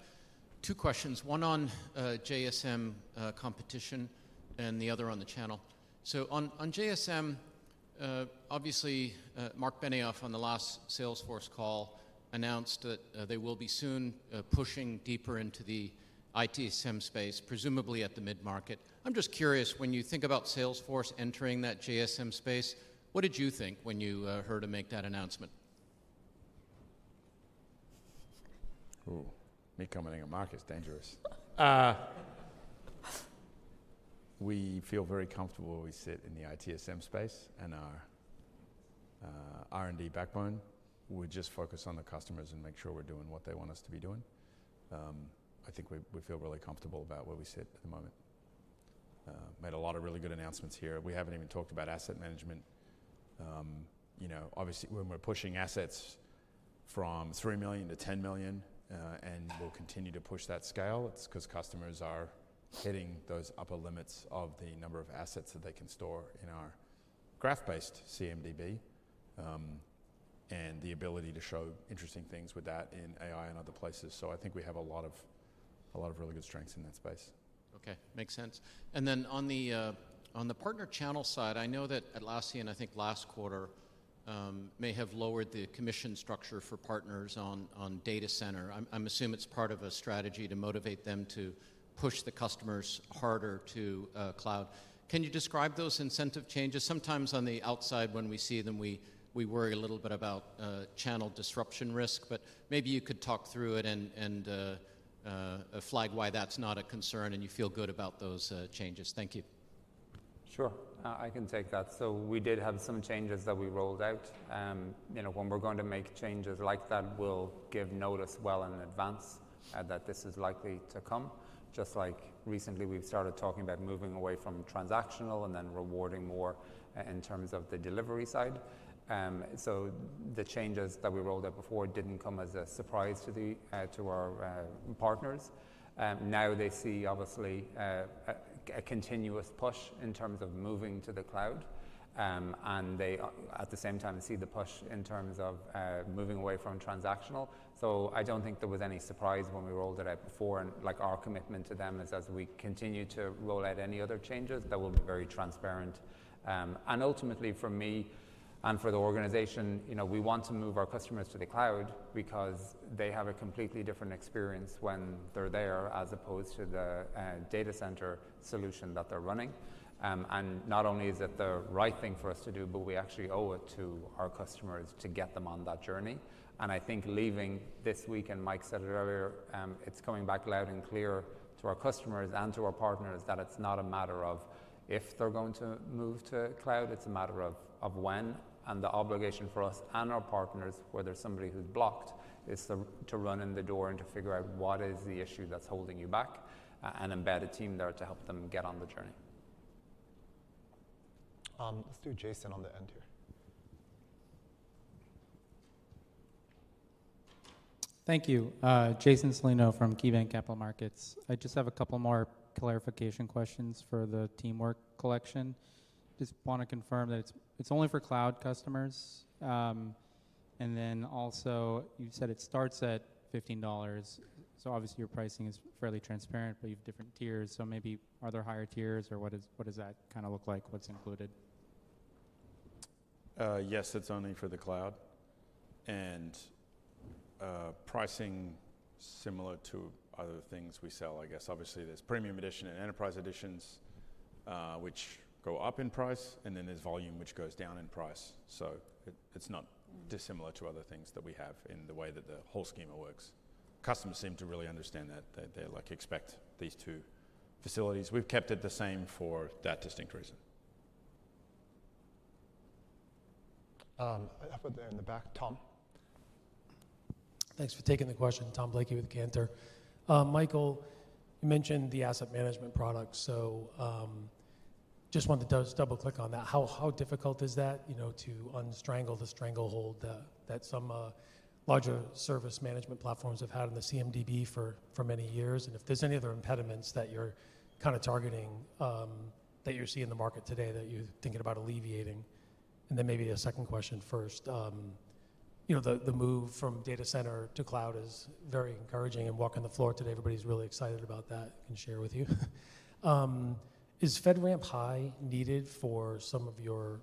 [SPEAKER 12] two questions, one on JSM competition and the other on the channel. On JSM, obviously, Mark Benioff on the last Salesforce call announced that they will be soon pushing deeper into the ITSM space, presumably at the mid-market. I'm just curious, when you think about Salesforce entering that JSM space, what did you think when you heard him make that announcement?
[SPEAKER 7] Ooh, me commenting on market is dangerous. We feel very comfortable where we sit in the ITSM space and our R&D backbone. We just focus on the customers and make sure we're doing what they want us to be doing. I think we feel really comfortable about where we sit at the moment. Made a lot of really good announcements here. We haven't even talked about asset management. Obviously, when we're pushing assets from 3 million to 10 million, and we'll continue to push that scale, it's because customers are hitting those upper limits of the number of assets that they can store in our graph-based CMDB and the ability to show interesting things with that in AI and other places. I think we have a lot of really good strengths in that space.
[SPEAKER 12] Okay. Makes sense. On the partner channel side, I know that Atlassian, I think last quarter, may have lowered the commission structure for partners on data center. I'm assuming it's part of a strategy to motivate them to push the customers harder to cloud. Can you describe those incentive changes? Sometimes on the outside, when we see them, we worry a little bit about channel disruption risk. Maybe you could talk through it and flag why that's not a concern and you feel good about those changes. Thank you.
[SPEAKER 2] Sure. I can take that. We did have some changes that we rolled out. When we're going to make changes like that, we'll give notice well in advance that this is likely to come. Just like recently, we've started talking about moving away from transactional and then rewarding more in terms of the delivery side. The changes that we rolled out before didn't come as a surprise to our partners. Now they see, obviously, a continuous push in terms of moving to the cloud. They, at the same time, see the push in terms of moving away from transactional. I don't think there was any surprise when we rolled it out before. Our commitment to them is, as we continue to roll out any other changes, that will be very transparent. Ultimately, for me and for the organization, we want to move our customers to the cloud because they have a completely different experience when they're there as opposed to the data center solution that they're running. Not only is it the right thing for us to do, but we actually owe it to our customers to get them on that journey. I think leaving this week, and Mike said it earlier, it's coming back loud and clear to our customers and to our partners that it's not a matter of if they're going to move to cloud. It's a matter of when. The obligation for us and our partners, whether somebody who's blocked, is to run in the door and to figure out what is the issue that's holding you back and embed a team there to help them get on the journey.
[SPEAKER 1] Let's do Jason on the end here.
[SPEAKER 13] Thank you. Jason Celino from KeyBanc Capital Markets. I just have a couple more clarification questions for the Teamwork Collection. Just want to confirm that it's only for cloud customers. Also, you said it starts at $15. Obviously, your pricing is fairly transparent, but you have different tiers. Maybe, are there higher tiers or what does that kind of look like? What's included?
[SPEAKER 2] Yes, it's only for the cloud. Pricing is similar to other things we sell, I guess. Obviously, there's premium edition and enterprise editions, which go up in price, and then there's volume, which goes down in price. It's not dissimilar to other things that we have in the way that the whole schema works. Customers seem to really understand that. They expect these two facilities. We've kept it the same for that distinct reason.
[SPEAKER 1] Up in the back, Tom.
[SPEAKER 14] Thanks for taking the question. Tom Blakey with Cantor. Michael, you mentioned the asset management product. I just wanted to double-click on that. How difficult is that to unstrangle the stranglehold that some larger service management platforms have had on the CMDB for many years? If there's any other impediments that you're kind of targeting that you're seeing in the market today that you're thinking about alleviating? Maybe a second question first. The move from data center to cloud is very encouraging. Walking the floor today, everybody's really excited about that and can share with you. Is FedRAMP High needed for some of your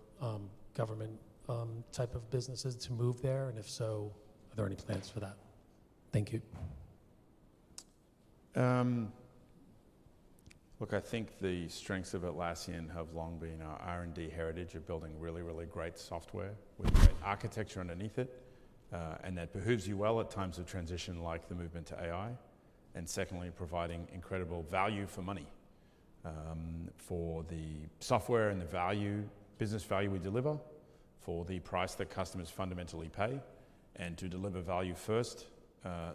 [SPEAKER 14] government type of businesses to move there? If so, are there any plans for that? Thank you.
[SPEAKER 2] I think the strengths of Atlassian have long been our R&D heritage of building really, really great software with great architecture underneath it. That behooves you well at times of transition like the movement to AI. Secondly, providing incredible value for money for the software and the business value we deliver for the price that customers fundamentally pay. To deliver value first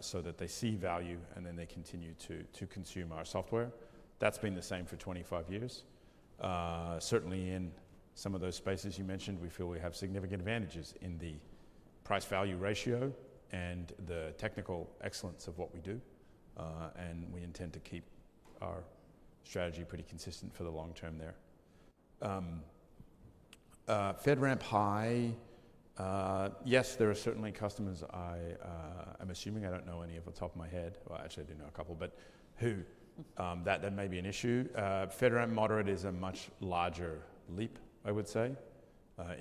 [SPEAKER 2] so that they see value and then they continue to consume our software. That's been the same for 25 years. Certainly, in some of those spaces you mentioned, we feel we have significant advantages in the price-value ratio and the technical excellence of what we do. We intend to keep our strategy pretty consistent for the long term there. FedRAMP high. Yes, there are certainly customers, I'm assuming. I don't know any off the top of my head. Actually, I do know a couple, but who? That may be an issue. FedRAMP Moderate is a much larger leap, I would say,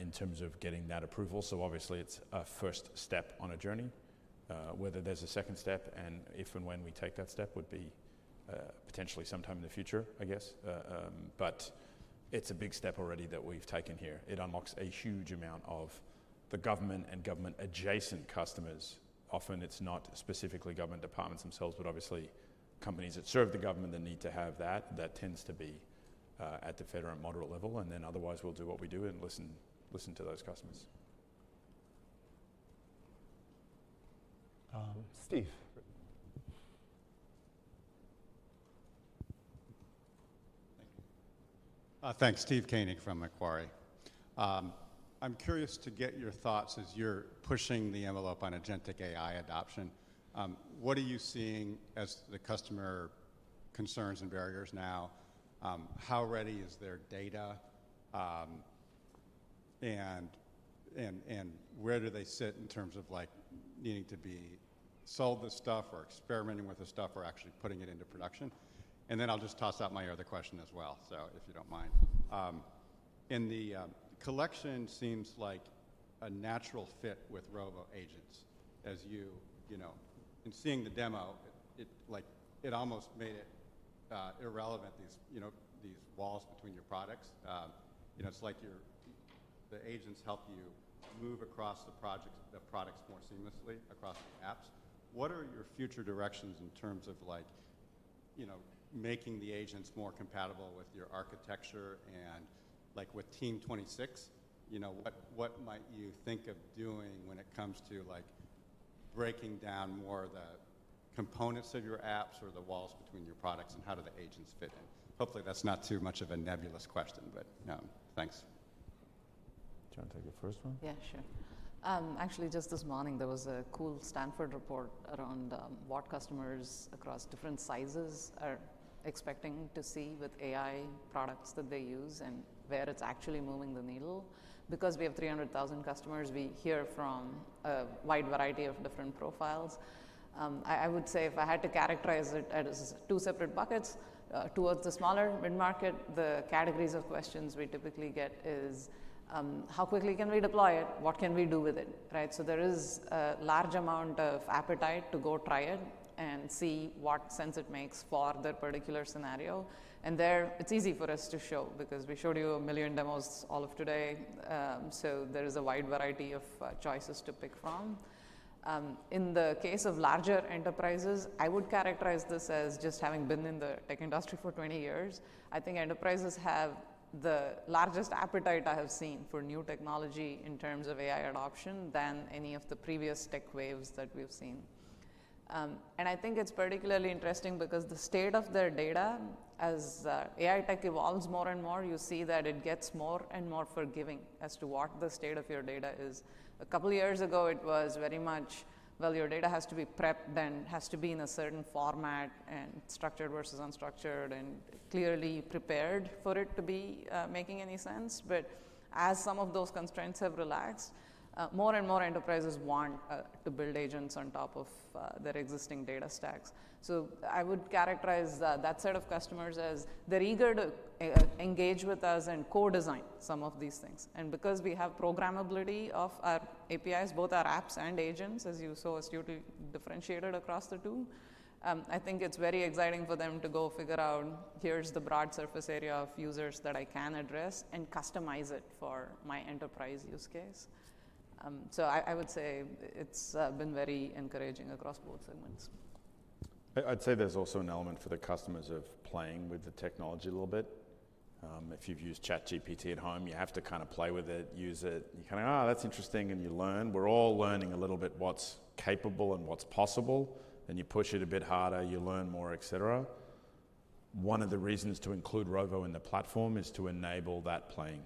[SPEAKER 2] in terms of getting that approval. Obviously, it's a first step on a journey. Whether there's a second step and if and when we take that step would be potentially sometime in the future, I guess. It is a big step already that we've taken here. It unlocks a huge amount of the government and government-adjacent customers. Often, it's not specifically government departments themselves, but obviously, companies that serve the government that need to have that. That tends to be at the FedRAMP moderate level. Otherwise, we'll do what we do and listen to those customers.
[SPEAKER 1] Steve.
[SPEAKER 15] Thanks. Steve Koenig from Macquarie. I'm curious to get your thoughts as you're pushing the envelope on agentic AI adoption. What are you seeing as the customer concerns and barriers now? How ready is their data? Where do they sit in terms of needing to be sold this stuff or experimenting with this stuff or actually putting it into production? I'll just toss out my other question as well, if you don't mind. In the collection, seems like a natural fit with Rovo agents. As you in seeing the demo, it almost made it irrelevant, these walls between your products. It's like the agents help you move across the products more seamlessly across the apps. What are your future directions in terms of making the agents more compatible with your architecture and with Team '26? What might you think of doing when it comes to breaking down more of the components of your apps or the walls between your products and how do the agents fit in? Hopefully, that's not too much of a nebulous question, but thanks. Do you want to take the first one?
[SPEAKER 5] Yeah, sure. Actually, just this morning, there was a cool Stanford report around what customers across different sizes are expecting to see with AI products that they use and where it's actually moving the needle. Because we have 300,000 customers, we hear from a wide variety of different profiles. I would say if I had to characterize it as two separate buckets, towards the smaller mid-market, the categories of questions we typically get is, how quickly can we deploy it? What can we do with it? There is a large amount of appetite to go try it and see what sense it makes for the particular scenario. There, it's easy for us to show because we showed you a million demos all of today. There is a wide variety of choices to pick from. In the case of larger enterprises, I would characterize this as just having been in the tech industry for 20 years. I think enterprises have the largest appetite I have seen for new technology in terms of AI adoption than any of the previous tech waves that we've seen. I think it's particularly interesting because the state of their data, as AI tech evolves more and more, you see that it gets more and more forgiving as to what the state of your data is. A couple of years ago, it was very much, well, your data has to be prepped and has to be in a certain format and structured versus unstructured and clearly prepared for it to be making any sense. As some of those constraints have relaxed, more and more enterprises want to build agents on top of their existing data stacks. I would characterize that set of customers as they're eager to engage with us and co-design some of these things. Because we have programmability of our APIs, both our apps and agents, as you saw, are totally differentiated across the two, I think it's very exciting for them to go figure out, here's the broad surface area of users that I can address and customize it for my enterprise use case. I would say it's been very encouraging across both segments.
[SPEAKER 2] I'd say there's also an element for the customers of playing with the technology a little bit. If you've used ChatGPT at home, you have to kind of play with it, use it. You kind of, oh, that's interesting, and you learn. We're all learning a little bit what's capable and what's possible. You push it a bit harder, you learn more, et cetera. One of the reasons to include Rovo in the platform is to enable that playing.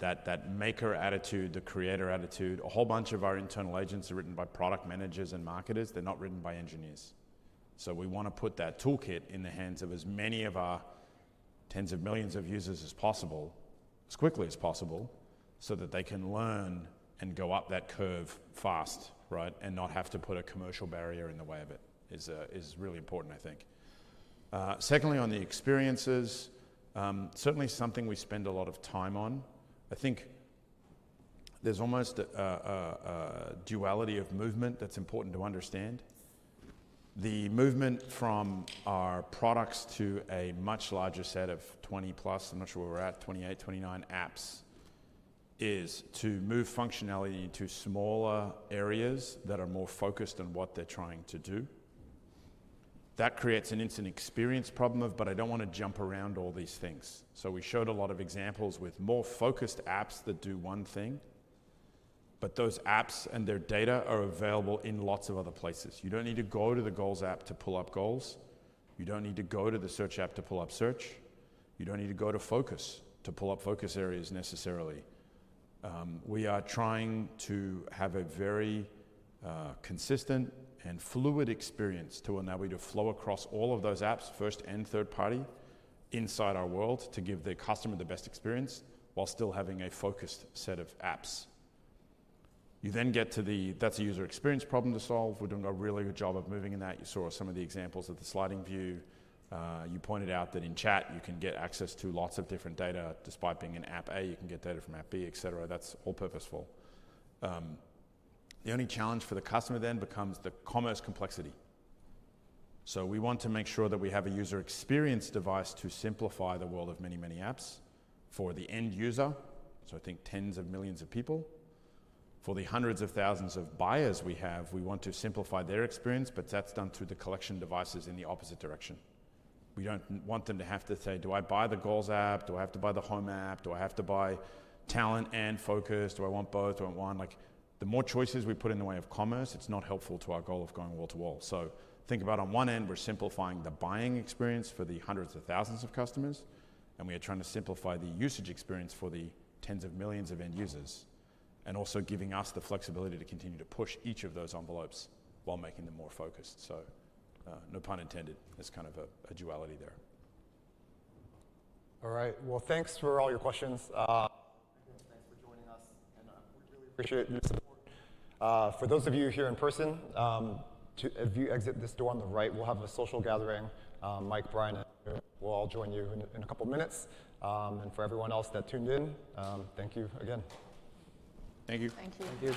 [SPEAKER 2] That maker attitude, the creator attitude, a whole bunch of our internal agents are written by product managers and marketers. They're not written by engineers. We want to put that toolkit in the hands of as many of our tens of millions of users as possible, as quickly as possible, so that they can learn and go up that curve fast and not have to put a commercial barrier in the way of it is really important, I think. Secondly, on the experiences, certainly something we spend a lot of time on. I think there's almost a duality of movement that's important to understand. The movement from our products to a much larger set of 20-plus, I'm not sure where we're at, 28, 29 apps is to move functionality into smaller areas that are more focused on what they're trying to do. That creates an instant experience problem of, but I don't want to jump around all these things. We showed a lot of examples with more focused apps that do one thing. Those apps and their data are available in lots of other places. You don't need to go to the Goals app to pull up Goals. You don't need to go to the Search app to pull up Search. You don't need to go to Focus to pull up Focus areas necessarily. We are trying to have a very consistent and fluid experience to enable you to flow across all of those apps, first and third party, inside our world to give the customer the best experience while still having a focused set of apps. You then get to the, that's a user experience problem to solve. We're doing a really good job of moving in that. You saw some of the examples of the sliding view. You pointed out that in chat, you can get access to lots of different data. Despite being an app A, you can get data from app B, et cetera. That's all purposeful. The only challenge for the customer then becomes the commerce complexity. We want to make sure that we have a user experience device to simplify the world of many, many apps for the end user, so I think tens of millions of people. For the hundreds of thousands of buyers we have, we want to simplify their experience, but that's done through the collection devices in the opposite direction. We don't want them to have to say, do I buy the Goals app? Do I have to buy the Home app? Do I have to buy Talent and Focus? Do I want both? Do I want one? The more choices we put in the way of commerce, it's not helpful to our goal of going wall to wall. Think about on one end, we're simplifying the buying experience for the hundreds of thousands of customers. We are trying to simplify the usage experience for the tens of millions of end users and also giving us the flexibility to continue to push each of those envelopes while making them more focused. No pun intended. There's kind of a duality there.
[SPEAKER 1] All right. Thanks for all your questions. Thank you. Thanks for joining us. We really appreciate your support. For those of you here in person, if you exit this door on the right, we'll have a social gathering. Mike, Brian, and I will all join you in a couple of minutes. For everyone else that tuned in, thank you again.
[SPEAKER 2] Thank you. Thank you.